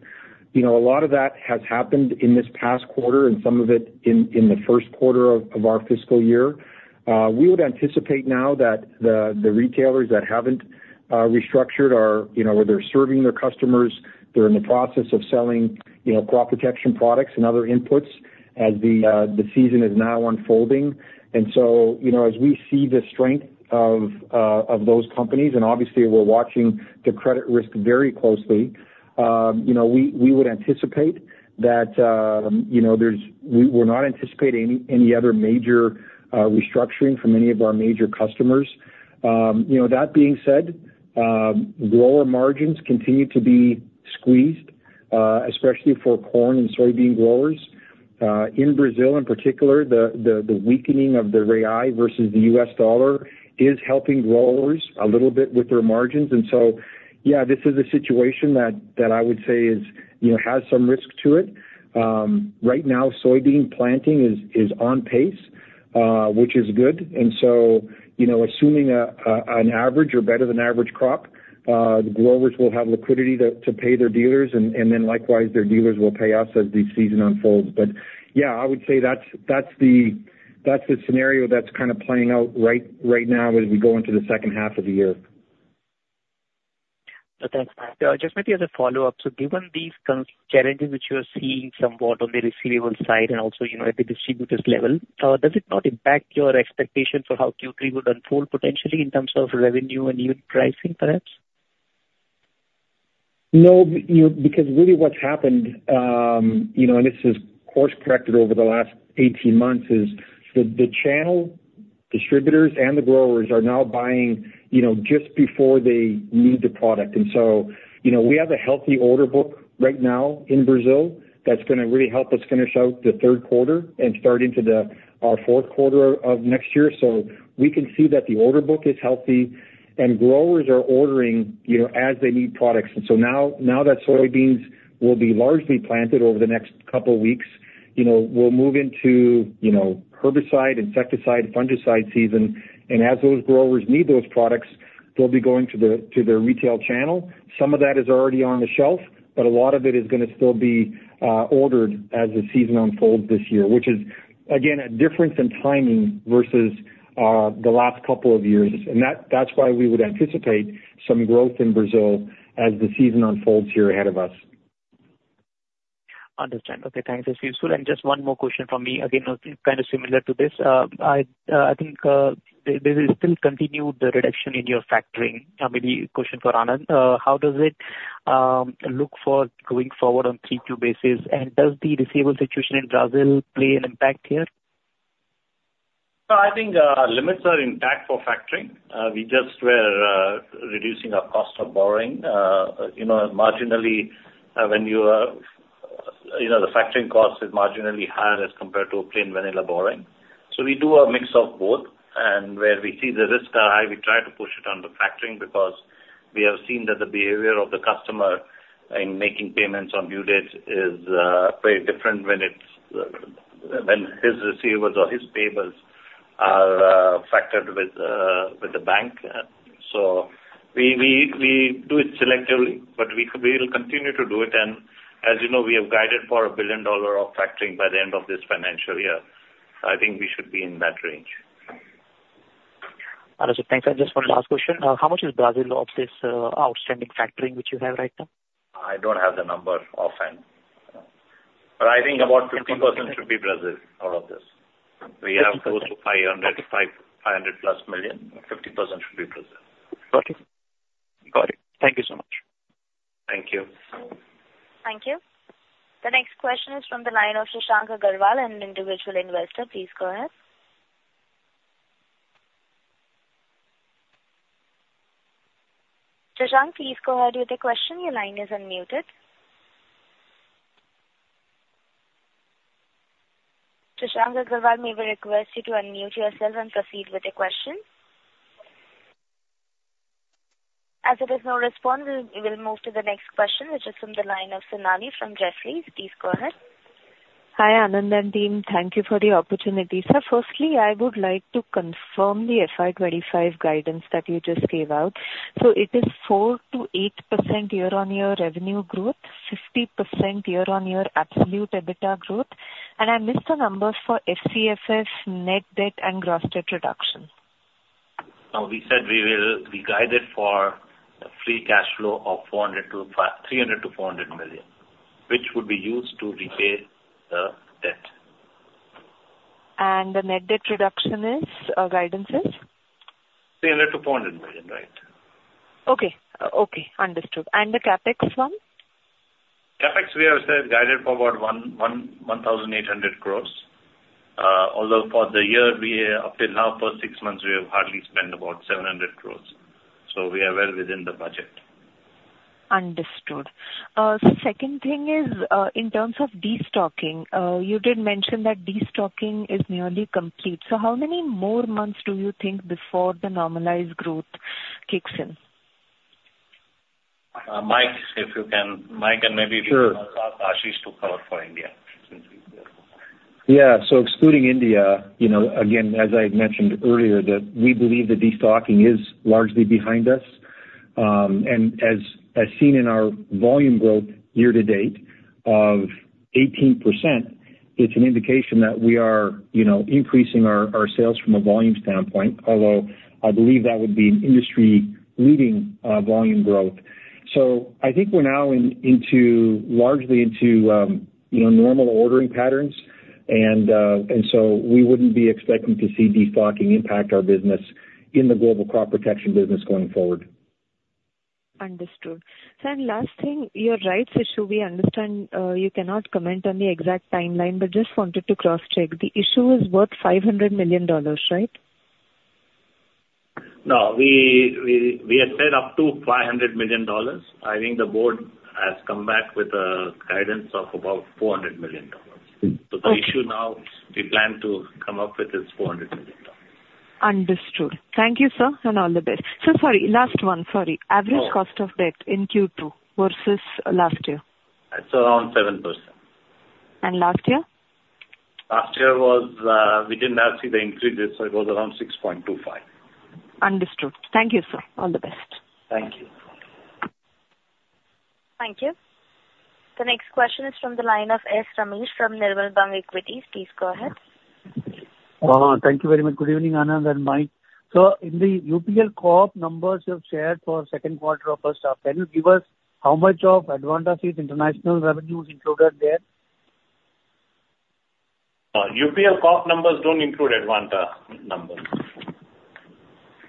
A lot of that has happened in this past quarter and some of it in the first quarter of our fiscal year. We would anticipate now that the retailers that haven't restructured are either serving their customers, they're in the process of selling crop protection products and other inputs as the season is now unfolding, and so as we see the strength of those companies, and obviously, we're watching the credit risk very closely, we would anticipate that we're not anticipating any other major restructuring from any of our major customers. That being said, grower margins continue to be squeezed, especially for corn and soybean growers. In Brazil, in particular, the weakening of the real versus the U.S. dollar is helping growers a little bit with their margins, and so, yeah, this is a situation that I would say has some risk to it. Right now, soybean planting is on pace, which is good. And so assuming an average or better than average crop, the growers will have liquidity to pay their dealers, and then likewise, their dealers will pay us as the season unfolds. But yeah, I would say that's the scenario that's kind of playing out right now as we go into the second half of the year. So thanks, Mike. Just maybe as a follow-up, so given these challenges which you are seeing somewhat on the receivable side and also at the distributor's level, does it not impact your expectation for how Q3 would unfold potentially in terms of revenue and even pricing, perhaps? No, because really what's happened, and this is course-corrected over the last 18 months, is the channel distributors and the growers are now buying just before they need the product, and so we have a healthy order book right now in Brazil that's going to really help us finish out the third quarter and start into our fourth quarter of next year, so we can see that the order book is healthy, and growers are ordering as they need products, and so now that soybeans will be largely planted over the next couple of weeks, we'll move into herbicide, insecticide, fungicide season, and as those growers need those products, they'll be going to their retail channel. Some of that is already on the shelf, but a lot of it is going to still be ordered as the season unfolds this year, which is, again, a difference in timing versus the last couple of years, and that's why we would anticipate some growth in Brazil as the season unfolds here ahead of us. Understood. Okay. Thanks. This is useful. And just one more question from me. Again, kind of similar to this. I think there is still continued reduction in your factoring. Maybe question for Anand. How does it look for going forward on a three-to-two basis? And does the dismal situation in Brazil have an impact here? I think limits are intact for factoring. We just were reducing our cost of borrowing marginally when the factoring cost is marginally higher as compared to a plain vanilla borrowing. We do a mix of both. Where we see the risks are high, we try to push it on the factoring because we have seen that the behavior of the customer in making payments on due dates is very different when his receivables or his payables are factored with the bank. We do it selectively, but we will continue to do it. As you know, we have guided for $1 billion of factoring by the end of this financial year. I think we should be in that range. Thanks. I just wanted to ask a question. How much is Brazil of this outstanding factoring which you have right now? I don't have the number offhand, but I think about 50% should be Brazil out of this. We have close to $500+ million. 50% should be Brazil. Got it. Got it. Thank you so much. Thank you. Thank you. The next question is from the line of Shashank Agarwal, an individual investor. Please go ahead. Shashank, please go ahead with the question. Your line is unmuted. Shashank Agarwal, may we request you to unmute yourself and proceed with the question? As there is no response, we will move to the next question, which is from the line of Sonali from Jefferies. Please go ahead. Hi, Anand and team. Thank you for the opportunity. So firstly, I would like to confirm the FY2025 guidance that you just gave out. So it is 4%-8% year-on-year revenue growth, 50% year-on-year absolute EBITDA growth. And I missed the numbers for FCFF, net debt, and gross debt reduction. We said we will be guided for a free cash flow of $300-$400 million, which would be used to repay the debt. And the net debt reduction guidance is? $300-$400 million, right? Okay. Okay. Understood. And the CapEx one? CapEx, we have guided for about 1,800 crores. Although for the year, up till now, for six months, we have hardly spent about 700 crores. So we are well within the budget. Understood. The second thing is in terms of destocking, you did mention that destocking is nearly complete. So how many more months do you think before the normalized growth kicks in? Mike, if you can. Mike and maybe Ashish to cover for India. Yeah. So excluding India, again, as I had mentioned earlier, that we believe that destocking is largely behind us. And as seen in our volume growth year to date of 18%, it's an indication that we are increasing our sales from a volume standpoint, although I believe that would be an industry-leading volume growth. So I think we're now largely into normal ordering patterns. And so we wouldn't be expecting to see destocking impact our business in the global crop protection business going forward. Understood, so then last thing, your rights issue, we understand you cannot comment on the exact timeline, but just wanted to cross-check. The issue is worth $500 million, right? No. We had said up to $500 million. I think the board has come back with a guidance of about $400 million. So the issue now we plan to come up with is $400 million. Understood. Thank you, sir, and all the best. So sorry, last one. Sorry. Average cost of debt in Q2 versus last year? It's around 7%. Last year? Last year, we did not see the increases, so it was around 6.25%. Understood. Thank you, sir. All the best. Thank you. Thank you. The next question is from the line of S. Ramesh from Nirmal Bang Equities. Please go ahead. Thank you very much. Good evening, Anand and Mike. So in the UPL Q2 numbers you have shared for second quarter of first half, can you give us how much of Advanta Seeds' international revenues included there? UPL Corp numbers don't include Advanta numbers.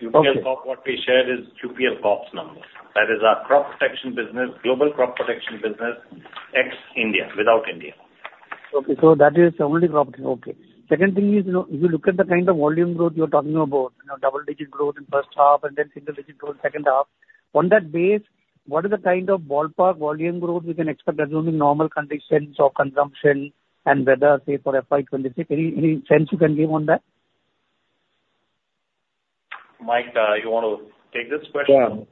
UPL Corp, what we shared is UPL Corp's number. That is our crop protection business, global crop protection business ex India, without India. Okay. So that is only crop protection. Okay. Second thing is, if you look at the kind of volume growth you're talking about, double-digit growth in first half and then single-digit growth second half, on that base, what is the kind of ballpark volume growth we can expect assuming normal conditions of consumption and weather, say, for FY2026? Any sense you can give on that? Mike, you want to take this question? Yeah.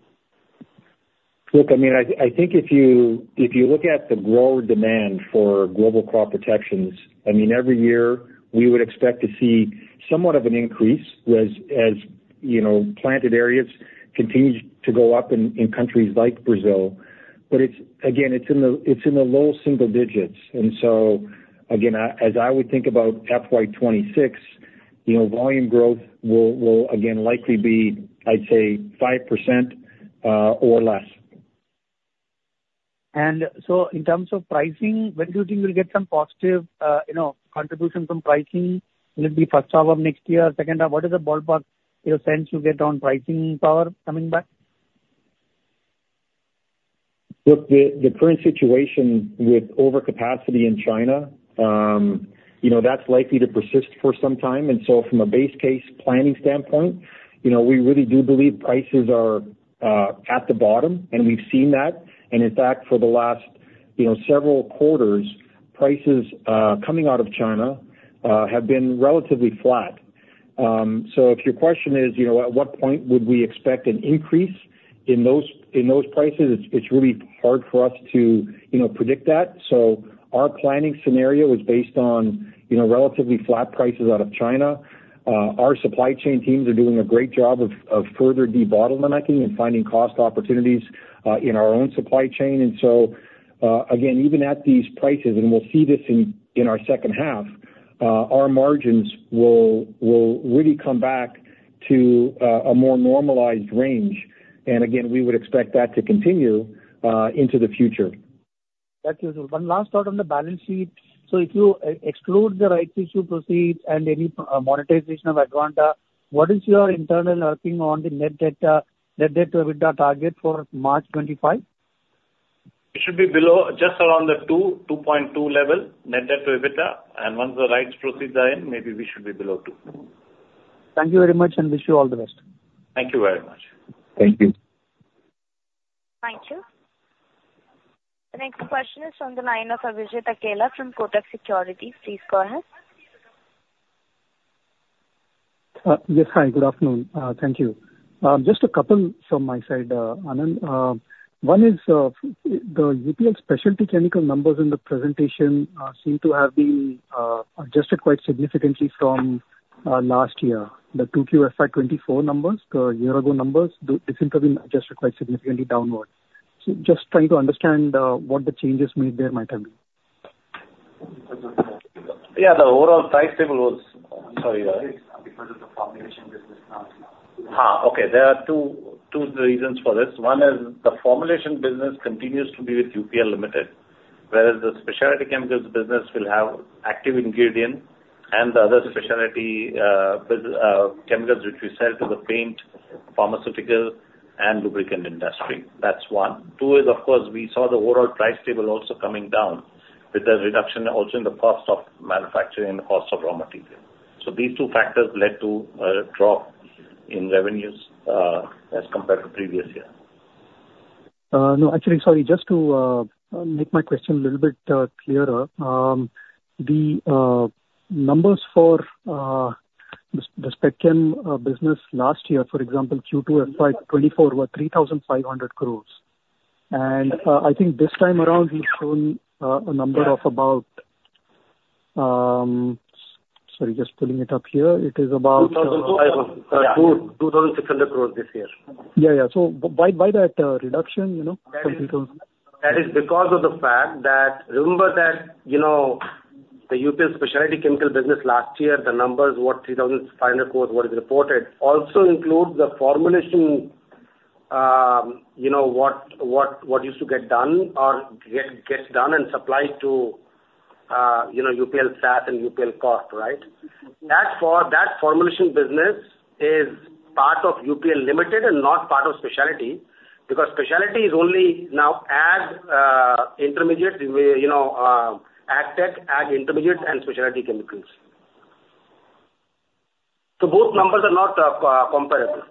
Look, I mean, I think if you look at the grower demand for global crop protections, I mean, every year, we would expect to see somewhat of an increase as planted areas continue to go up in countries like Brazil. But again, it's in the low single digits. And so again, as I would think about FY2026, volume growth will again likely be, I'd say, 5% or less. And so in terms of pricing, when do you think we'll get some positive contribution from pricing? Will it be first half of next year, second half? What is the ballpark sense you get on pricing power coming back? Look, the current situation with overcapacity in China, that's likely to persist for some time. And so from a base case planning standpoint, we really do believe prices are at the bottom, and we've seen that. And in fact, for the last several quarters, prices coming out of China have been relatively flat. So if your question is, at what point would we expect an increase in those prices, it's really hard for us to predict that. So our planning scenario is based on relatively flat prices out of China. Our supply chain teams are doing a great job of further debottlenecking and finding cost opportunities in our own supply chain. And so again, even at these prices, and we'll see this in our second half, our margins will really come back to a more normalized range. And again, we would expect that to continue into the future. That's useful. One last thought on the balance sheet. So if you exclude the rights issue proceeds and any monetization of Advanta, what is your internal working on the net debt target for March 2025? It should be just around the 2-2.2 level, net debt to EBITDA. And once the rights proceeds are in, maybe we should be below 2. Thank you very much and wish you all the best. Thank you very much. Thank you. Thank you. The next question is from the line of Abhijit Akella from Kotak Securities. Please go ahead. Yes, hi. Good afternoon. Thank you. Just a couple from my side, Anand. One is the UPL Specialty Chemicals numbers in the presentation seem to have been adjusted quite significantly from last year. The 2Q FY2024 numbers, the year-ago numbers, these have been adjusted quite significantly downward. So just trying to understand what the changes made there might have been. Yeah, the overall price table was. Sorry, guys. Because of the formulation business now. Okay. There are two reasons for this. One is the formulation business continues to be with UPL Limited, whereas the specialty chemicals business will have active ingredients, and the other specialty chemicals which we sell to the paint, pharmaceutical, and lubricant industry. That's one. Two is, of course, we saw the overall price table also coming down with the reduction also in the cost of manufacturing and the cost of raw material. So these two factors led to a drop in revenues as compared to previous year. No, actually, sorry, just to make my question a little bit clearer, the numbers for the spec chem business last year, for example, Q2 FY2024 were 3,500 crores. And I think this time around we've shown a number of about—sorry, just pulling it up here. It is about. 2,600 crores this year. Yeah, yeah. So why that reduction compared to? That is because of the fact that remember that the UPL specialty chemical business last year, the numbers, what, 3,500 crores were reported, also includes the formulation that used to get done or gets done and supplied to UPL SAS and UPL Corp, right? That formulation business is part of UPL Limited and not part of specialty because specialty is only now advanced intermediate, advanced tech, advanced intermediate, and specialty chemicals. So both numbers are not comparable.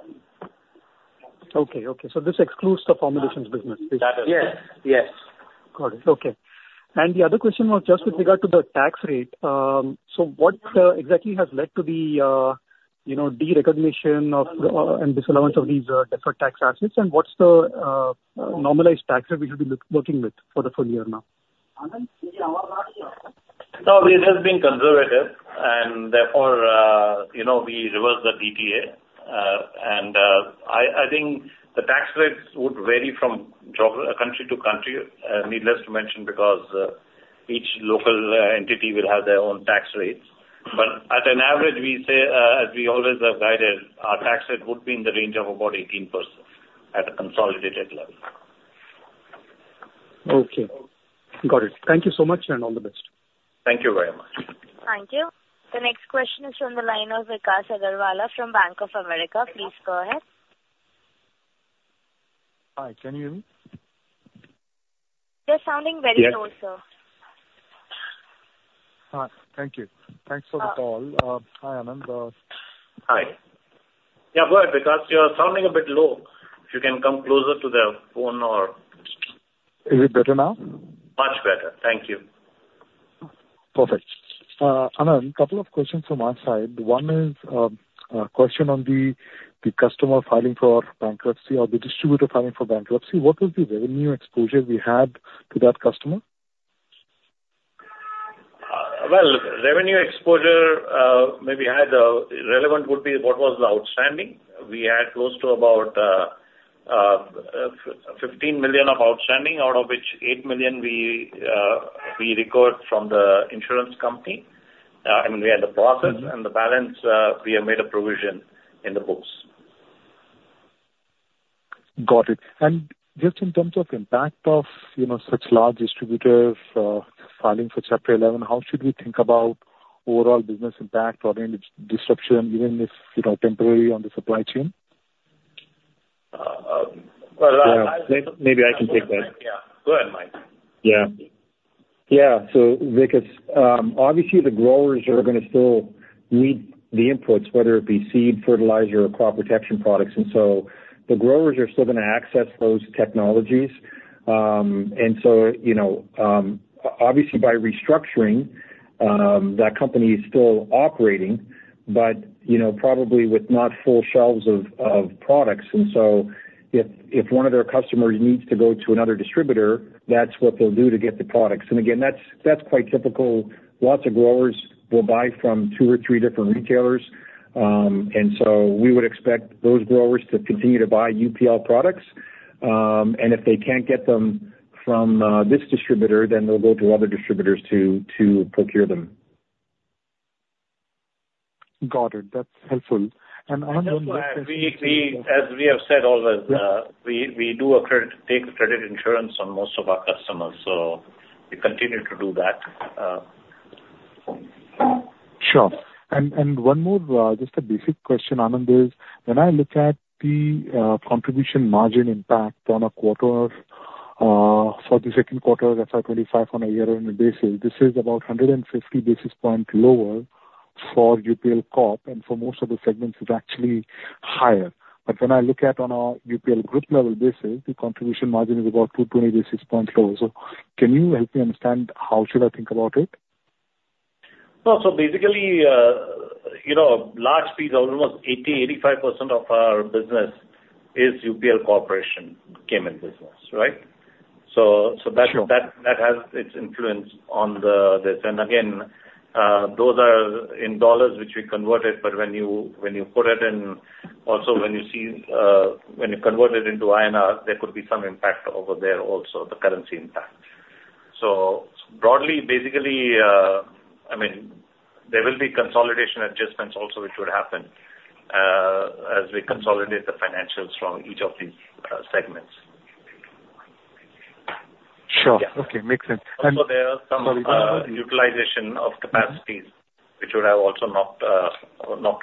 Okay. So this excludes the formulations business. That is correct. Yes. Got it. Okay. And the other question was just with regard to the tax rate. So what exactly has led to the derecognition and disallowance of these different tax assets? And what's the normalized tax rate we should be working with for the full year now? We have just been conservative, and therefore we reverse the DTA. And I think the tax rates would vary from country to country, needless to mention, because each local entity will have their own tax rates. But at an average, we say, as we always have guided, our tax rate would be in the range of about 18% at a consolidated level. Okay. Got it. Thank you so much and all the best. Thank you very much. Thank you. The next question is from the line of Vikash Agarwal from Bank of America. Please go ahead. Hi. Can you hear me? You're sounding very low, sir. Thank you. Thanks for the call. Hi, Anand. Hi. Yeah, good. Vikash, you're sounding a bit low. If you can come closer to the phone or. Is it better now? Much better. Thank you. Perfect. Anand, a couple of questions from our side. One is a question on the customer filing for bankruptcy or the distributor filing for bankruptcy. What was the revenue exposure we had to that customer? Revenue exposure. Maybe relevant would be what was the outstanding. We had close to about $15 million of outstanding, out of which $8 million we recovered from the insurance company. I mean, we had the process, and the balance, we have made a provision in the books. Got it. And just in terms of impact of such large distributors filing for Chapter 11, how should we think about overall business impact or any disruption, even if temporary, on the supply chain? Maybe I can take that. Yeah. Go ahead, Mike. Yeah. Yeah. So Vikas, obviously, the growers are going to still need the inputs, whether it be seed, fertilizer, or crop protection products. And so the growers are still going to access those technologies. And so obviously, by restructuring, that company is still operating, but probably with not full shelves of products. And so if one of their customers needs to go to another distributor, that's what they'll do to get the products. And again, that's quite typical. Lots of growers will buy from two or three different retailers. And so we would expect those growers to continue to buy UPL products. And if they can't get them from this distributor, then they'll go to other distributors to procure them. Got it. That's helpful. And Anand, one last question. As we have said always, we do take credit insurance on most of our customers. So we continue to do that. Sure. And one more, just a basic question, Anand, is when I look at the contribution margin impact on a quarter for the second quarter of FY2025 on a year-end basis, this is about 150 basis points lower for UPL Corp. And for most of the segments, it's actually higher. But when I look at on a UPL group level basis, the contribution margin is about 220 basis points lower. So can you help me understand how should I think about it? Basically, a large piece, almost 80%-85% of our business is UPL Corporation Cayman business, right? That has its influence on this. Again, those are in dollars, which we converted, but when you put it in, also when you see when you convert it into INR, there could be some impact over there also, the currency impact, so broadly, basically, I mean, there will be consolidation adjustments also, which would happen as we consolidate the financials from each of these segments. Sure. Okay. Makes sense. And. Also, there are some utilization of capacities, which would have also knocked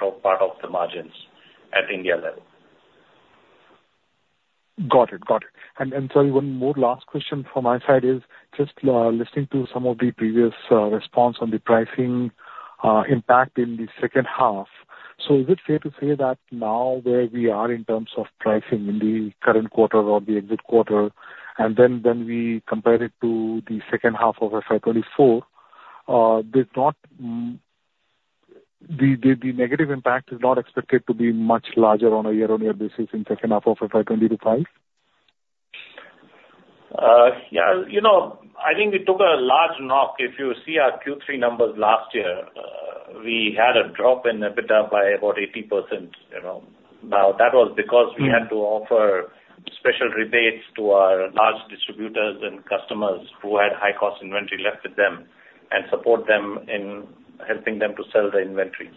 out part of the margins at India level. Got it. Got it. And sorry, one more last question from my side is just listening to some of the previous response on the pricing impact in the second half. So is it fair to say that now where we are in terms of pricing in the current quarter or the exit quarter, and then when we compare it to the second half of FY2024, the negative impact is not expected to be much larger on a year-on-year basis in the second half of FY2025? Yeah. I think we took a large knock. If you see our Q3 numbers last year, we had a drop in EBITDA by about 80%. Now, that was because we had to offer special rebates to our large distributors and customers who had high-cost inventory left with them and support them in helping them to sell the inventory,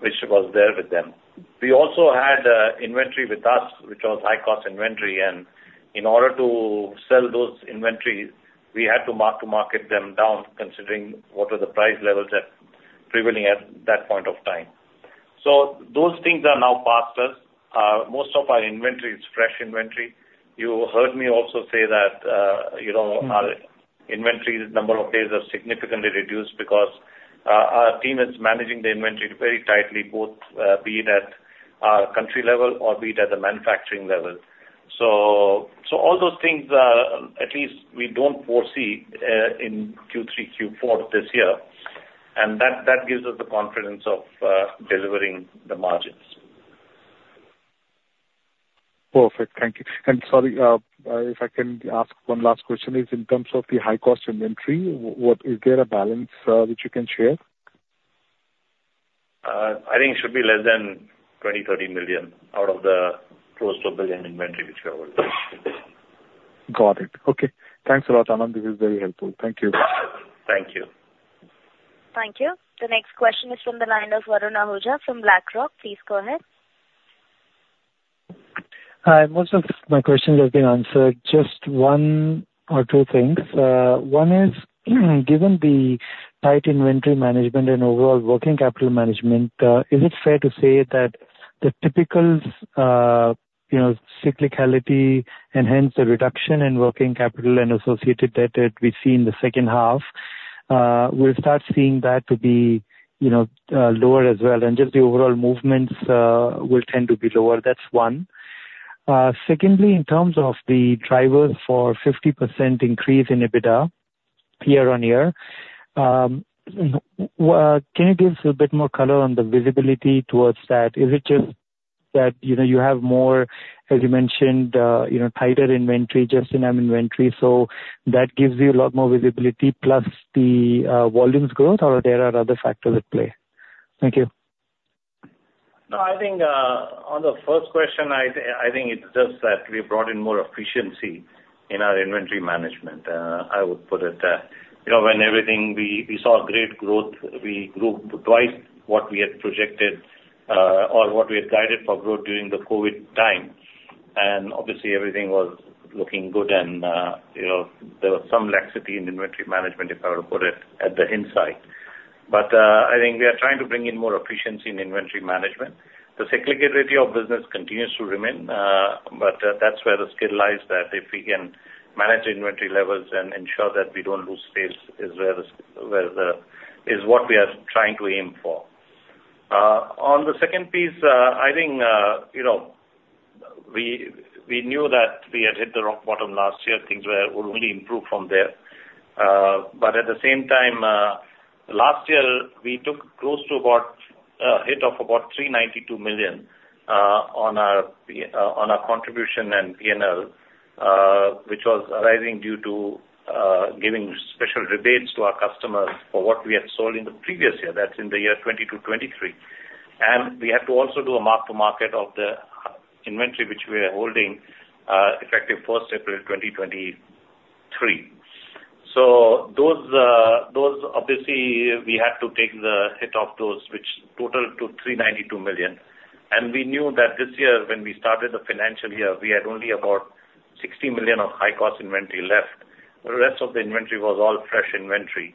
which was there with them. We also had inventory with us, which was high-cost inventory. And in order to sell those inventories, we had to mark-to-market them down, considering what were the price levels that were prevailing at that point of time. So those things are now past us. Most of our inventory is fresh inventory. You heard me also say that our inventory number of days has significantly reduced because our team is managing the inventory very tightly, both be it at our country level or be it at the manufacturing level, so all those things, at least we don't foresee in Q3, Q4 this year, and that gives us the confidence of delivering the margins. Perfect. Thank you. Sorry, if I can ask one last question, in terms of the high-cost inventory, is there a balance which you can share? I think it should be less than $20-$30 million out of the close to a billion inventory which we already have. Got it. Okay. Thanks a lot, Anand. This is very helpful. Thank you. Thank you. Thank you. The next question is from the line of Varun Ahuja from BlackRock. Please go ahead. Hi. Most of my questions have been answered. Just one or two things. One is, given the tight inventory management and overall working capital management, is it fair to say that the typical cyclicality and hence the reduction in working capital and associated debt that we see in the second half, we'll start seeing that to be lower as well, and just the overall movements will tend to be lower. That's one. Secondly, in terms of the drivers for 50% increase in EBITDA year-on-year, can you give us a bit more color on the visibility towards that? Is it just that you have more, as you mentioned, tighter inventory, just in-hand inventory? So that gives you a lot more visibility plus the volumes growth, or there are other factors at play? Thank you. No, I think on the first question, I think it's just that we brought in more efficiency in our inventory management. I would put it that when everything we saw great growth, we grew twice what we had projected or what we had guided for growth during the COVID time, and obviously, everything was looking good, and there was some laxity in inventory management, if I were to put it, in hindsight, but I think we are trying to bring in more efficiency in inventory management. The cyclicality of business continues to remain, but that's where the skill lies that if we can manage the inventory levels and ensure that we don't lose space is what we are trying to aim for. On the second piece, I think we knew that we had hit the rock bottom last year. Things would only improve from there. But at the same time, last year, we took close to about a hit of about $392 million on our contribution and P&L, which was arising due to giving special rebates to our customers for what we had sold in the previous year. That's in the year 2022, 2023. And we had to also do a mark-to-market of the inventory which we were holding effective 1st April 2023. So those, obviously, we had to take the hit off those, which totaled to $392 million. And we knew that this year, when we started the financial year, we had only about $60 million of high-cost inventory left. The rest of the inventory was all fresh inventory.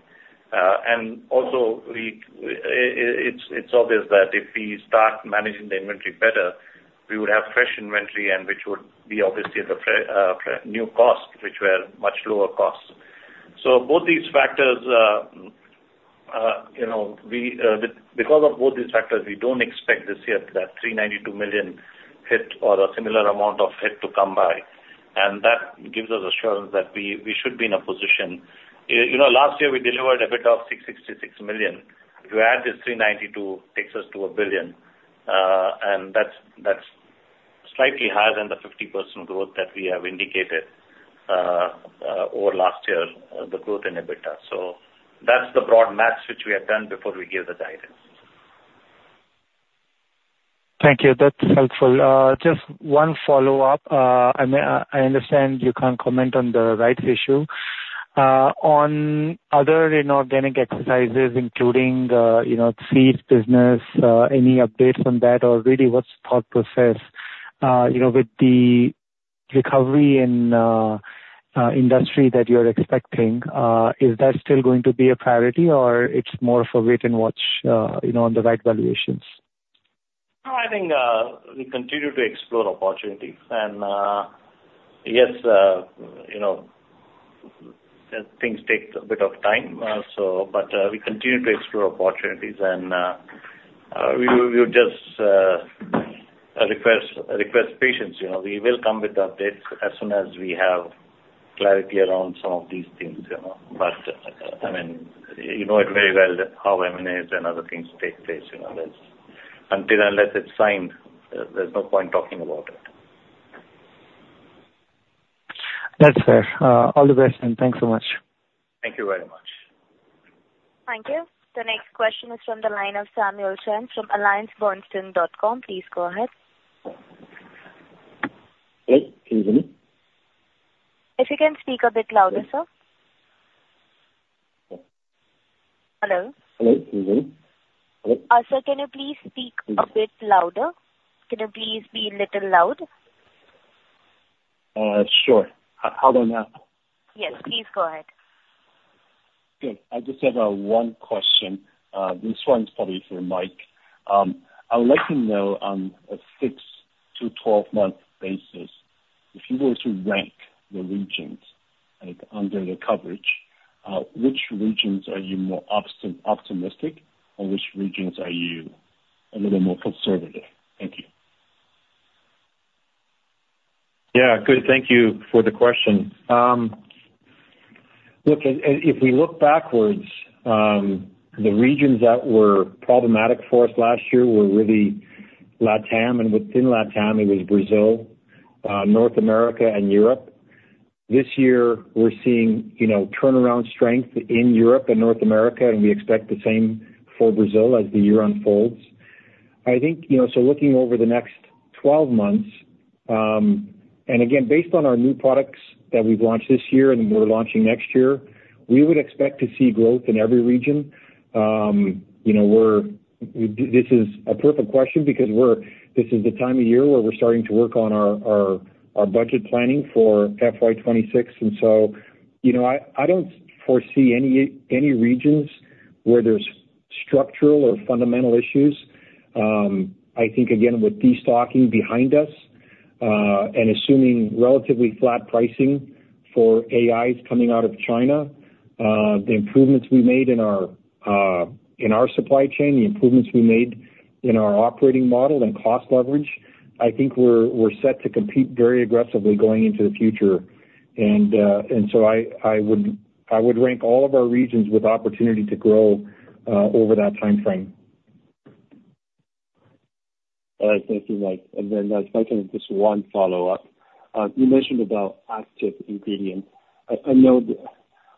And also, it's obvious that if we start managing the inventory better, we would have fresh inventory, which would be obviously the new cost, which were much lower costs. So both these factors, because of both these factors, we don't expect this year that $392 million hit or a similar amount of hit to come by. And that gives us assurance that we should be in a position. Last year, we delivered EBITDA of $666 million. If you add this $392, it takes us to $1 billion. And that's slightly higher than the 50% growth that we have indicated over last year, the growth in EBITDA. So that's the broad math which we have done before we give the guidance. Thank you. That's helpful. Just one follow-up. I understand you can't comment on the rights issue. On other inorganic exercises, including the seed business, any updates on that, or really what's the thought process with the recovery in industry that you're expecting? Is that still going to be a priority, or it's more of a wait-and-watch on the right valuations? No, I think we continue to explore opportunities. And yes, things take a bit of time. But we continue to explore opportunities. And we would just request patience. We will come with updates as soon as we have clarity around some of these things. But I mean, you know it very well how M&As and other things take place. Until unless it's signed, there's no point talking about it. That's fair. All the best, and thanks so much. Thank you very much. Thank you. The next question is from the line of Samuel Chen from AllianceBernstein. Please go ahead. Hello. Can you hear me? If you can speak a bit louder, sir. Hello. Hello. Can you hear me? Hello. Also, can you please speak a bit louder? Can you please be a little loud? Sure. How about now? Yes. Please go ahead. Good. I just have one question. This one's probably for Mike. I would like to know, on a six to 12-month basis, if you were to rank the regions under the coverage, which regions are you more optimistic, and which regions are you a little more conservative? Thank you. Yeah. Good. Thank you for the question. Look, if we look backwards, the regions that were problematic for us last year were really LATAM, and within LATAM, it was Brazil, North America, and Europe. This year, we're seeing turnaround strength in Europe and North America, and we expect the same for Brazil as the year unfolds. I think so, looking over the next 12 months, and again, based on our new products that we've launched this year and we're launching next year, we would expect to see growth in every region. This is a perfect question because this is the time of year where we're starting to work on our budget planning for FY2026, and so I don't foresee any regions where there's structural or fundamental issues. I think, again, with destocking behind us and assuming relatively flat pricing for AIs coming out of China, the improvements we made in our supply chain, the improvements we made in our operating model, and cost leverage, I think we're set to compete very aggressively going into the future. And so I would rank all of our regions with opportunity to grow over that timeframe. All right. Thank you, Mike. And then if I can just one follow-up. You mentioned about active ingredients. I know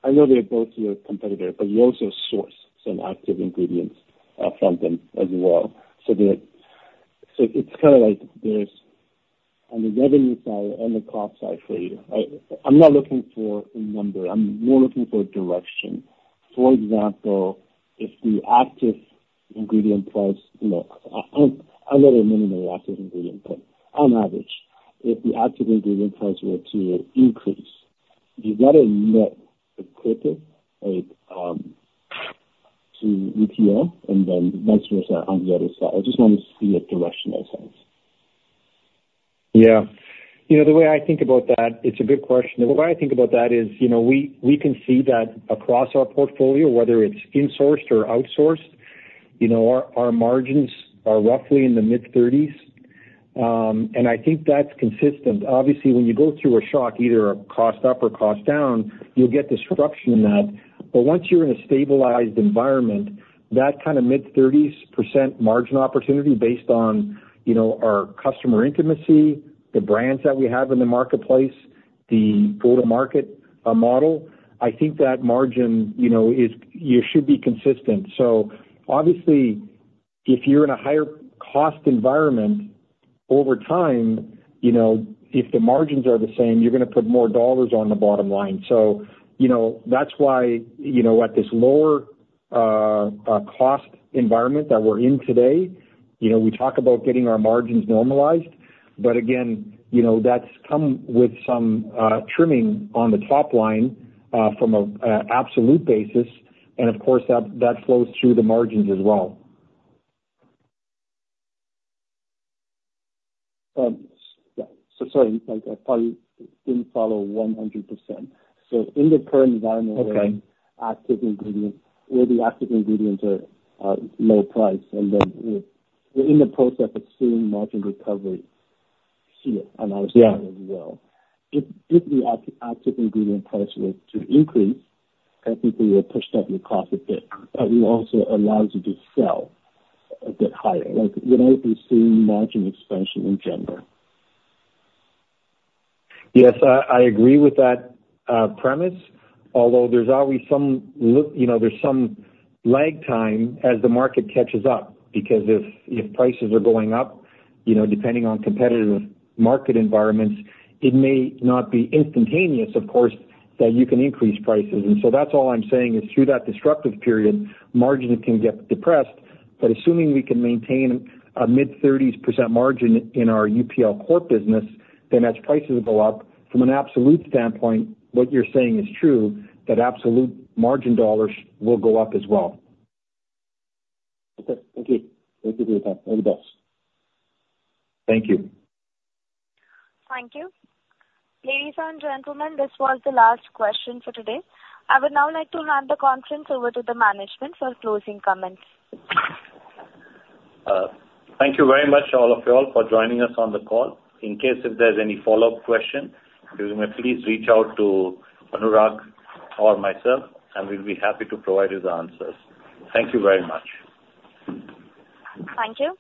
they're both your competitors, but you also source some active ingredients from them as well. So it's kind of like there's on the revenue side and the cost side for you. I'm not looking for a number. I'm more looking for direction. For example, if the active ingredient price I know there are many active ingredients, but on average, if the active ingredient price were to increase, do you got to net the quarter to UPL and then vice versa on the other side? I just want to see a directional sense. Yeah. The way I think about that, it's a good question. The way I think about that is we can see that across our portfolio, whether it's insourced or outsourced, our margins are roughly in the mid-30s%. And I think that's consistent. Obviously, when you go through a shock, either a cost up or cost down, you'll get disruption in that. But once you're in a stabilized environment, that kind of mid-30s% margin opportunity based on our customer intimacy, the brands that we have in the marketplace, the go-to-market model, I think that margin should be consistent. So obviously, if you're in a higher-cost environment, over time, if the margins are the same, you're going to put more dollars on the bottom line. So that's why at this lower-cost environment that we're in today, we talk about getting our margins normalized. But again, that's come with some trimming on the top line from an absolute basis. And of course, that flows through the margins as well. Sorry, I didn't follow 100%. So in the current environment where active ingredients, where the active ingredients are low price, and then we're in the process of seeing margin recovery here on our side as well. If the active ingredient price were to increase, technically, it will push down your cost a bit, but it will also allow you to sell a bit higher. Would I be seeing margin expansion in general? Yes, I agree with that premise. Although there's always some lag time as the market catches up because if prices are going up, depending on competitive market environments, it may not be instantaneous, of course, that you can increase prices. And so that's all I'm saying is through that disruptive period, margins can get depressed. But assuming we can maintain a mid-30s% margin in our UPL core business, then as prices go up, from an absolute standpoint, what you're saying is true, that absolute margin dollars will go up as well. Okay. Thank you. Thank you for your time. All the best. Thank you. Thank you. Ladies and gentlemen, this was the last question for today. I would now like to hand the conference over to the management for closing comments. Thank you very much, all of y'all, for joining us on the call. In case if there's any follow-up question, please reach out to Varuna or myself, and we'll be happy to provide you the answers. Thank you very much. Thank you.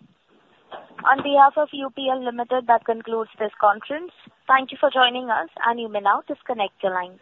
On behalf of UPL Limited, that concludes this conference. Thank you for joining us, and you may now disconnect your lines.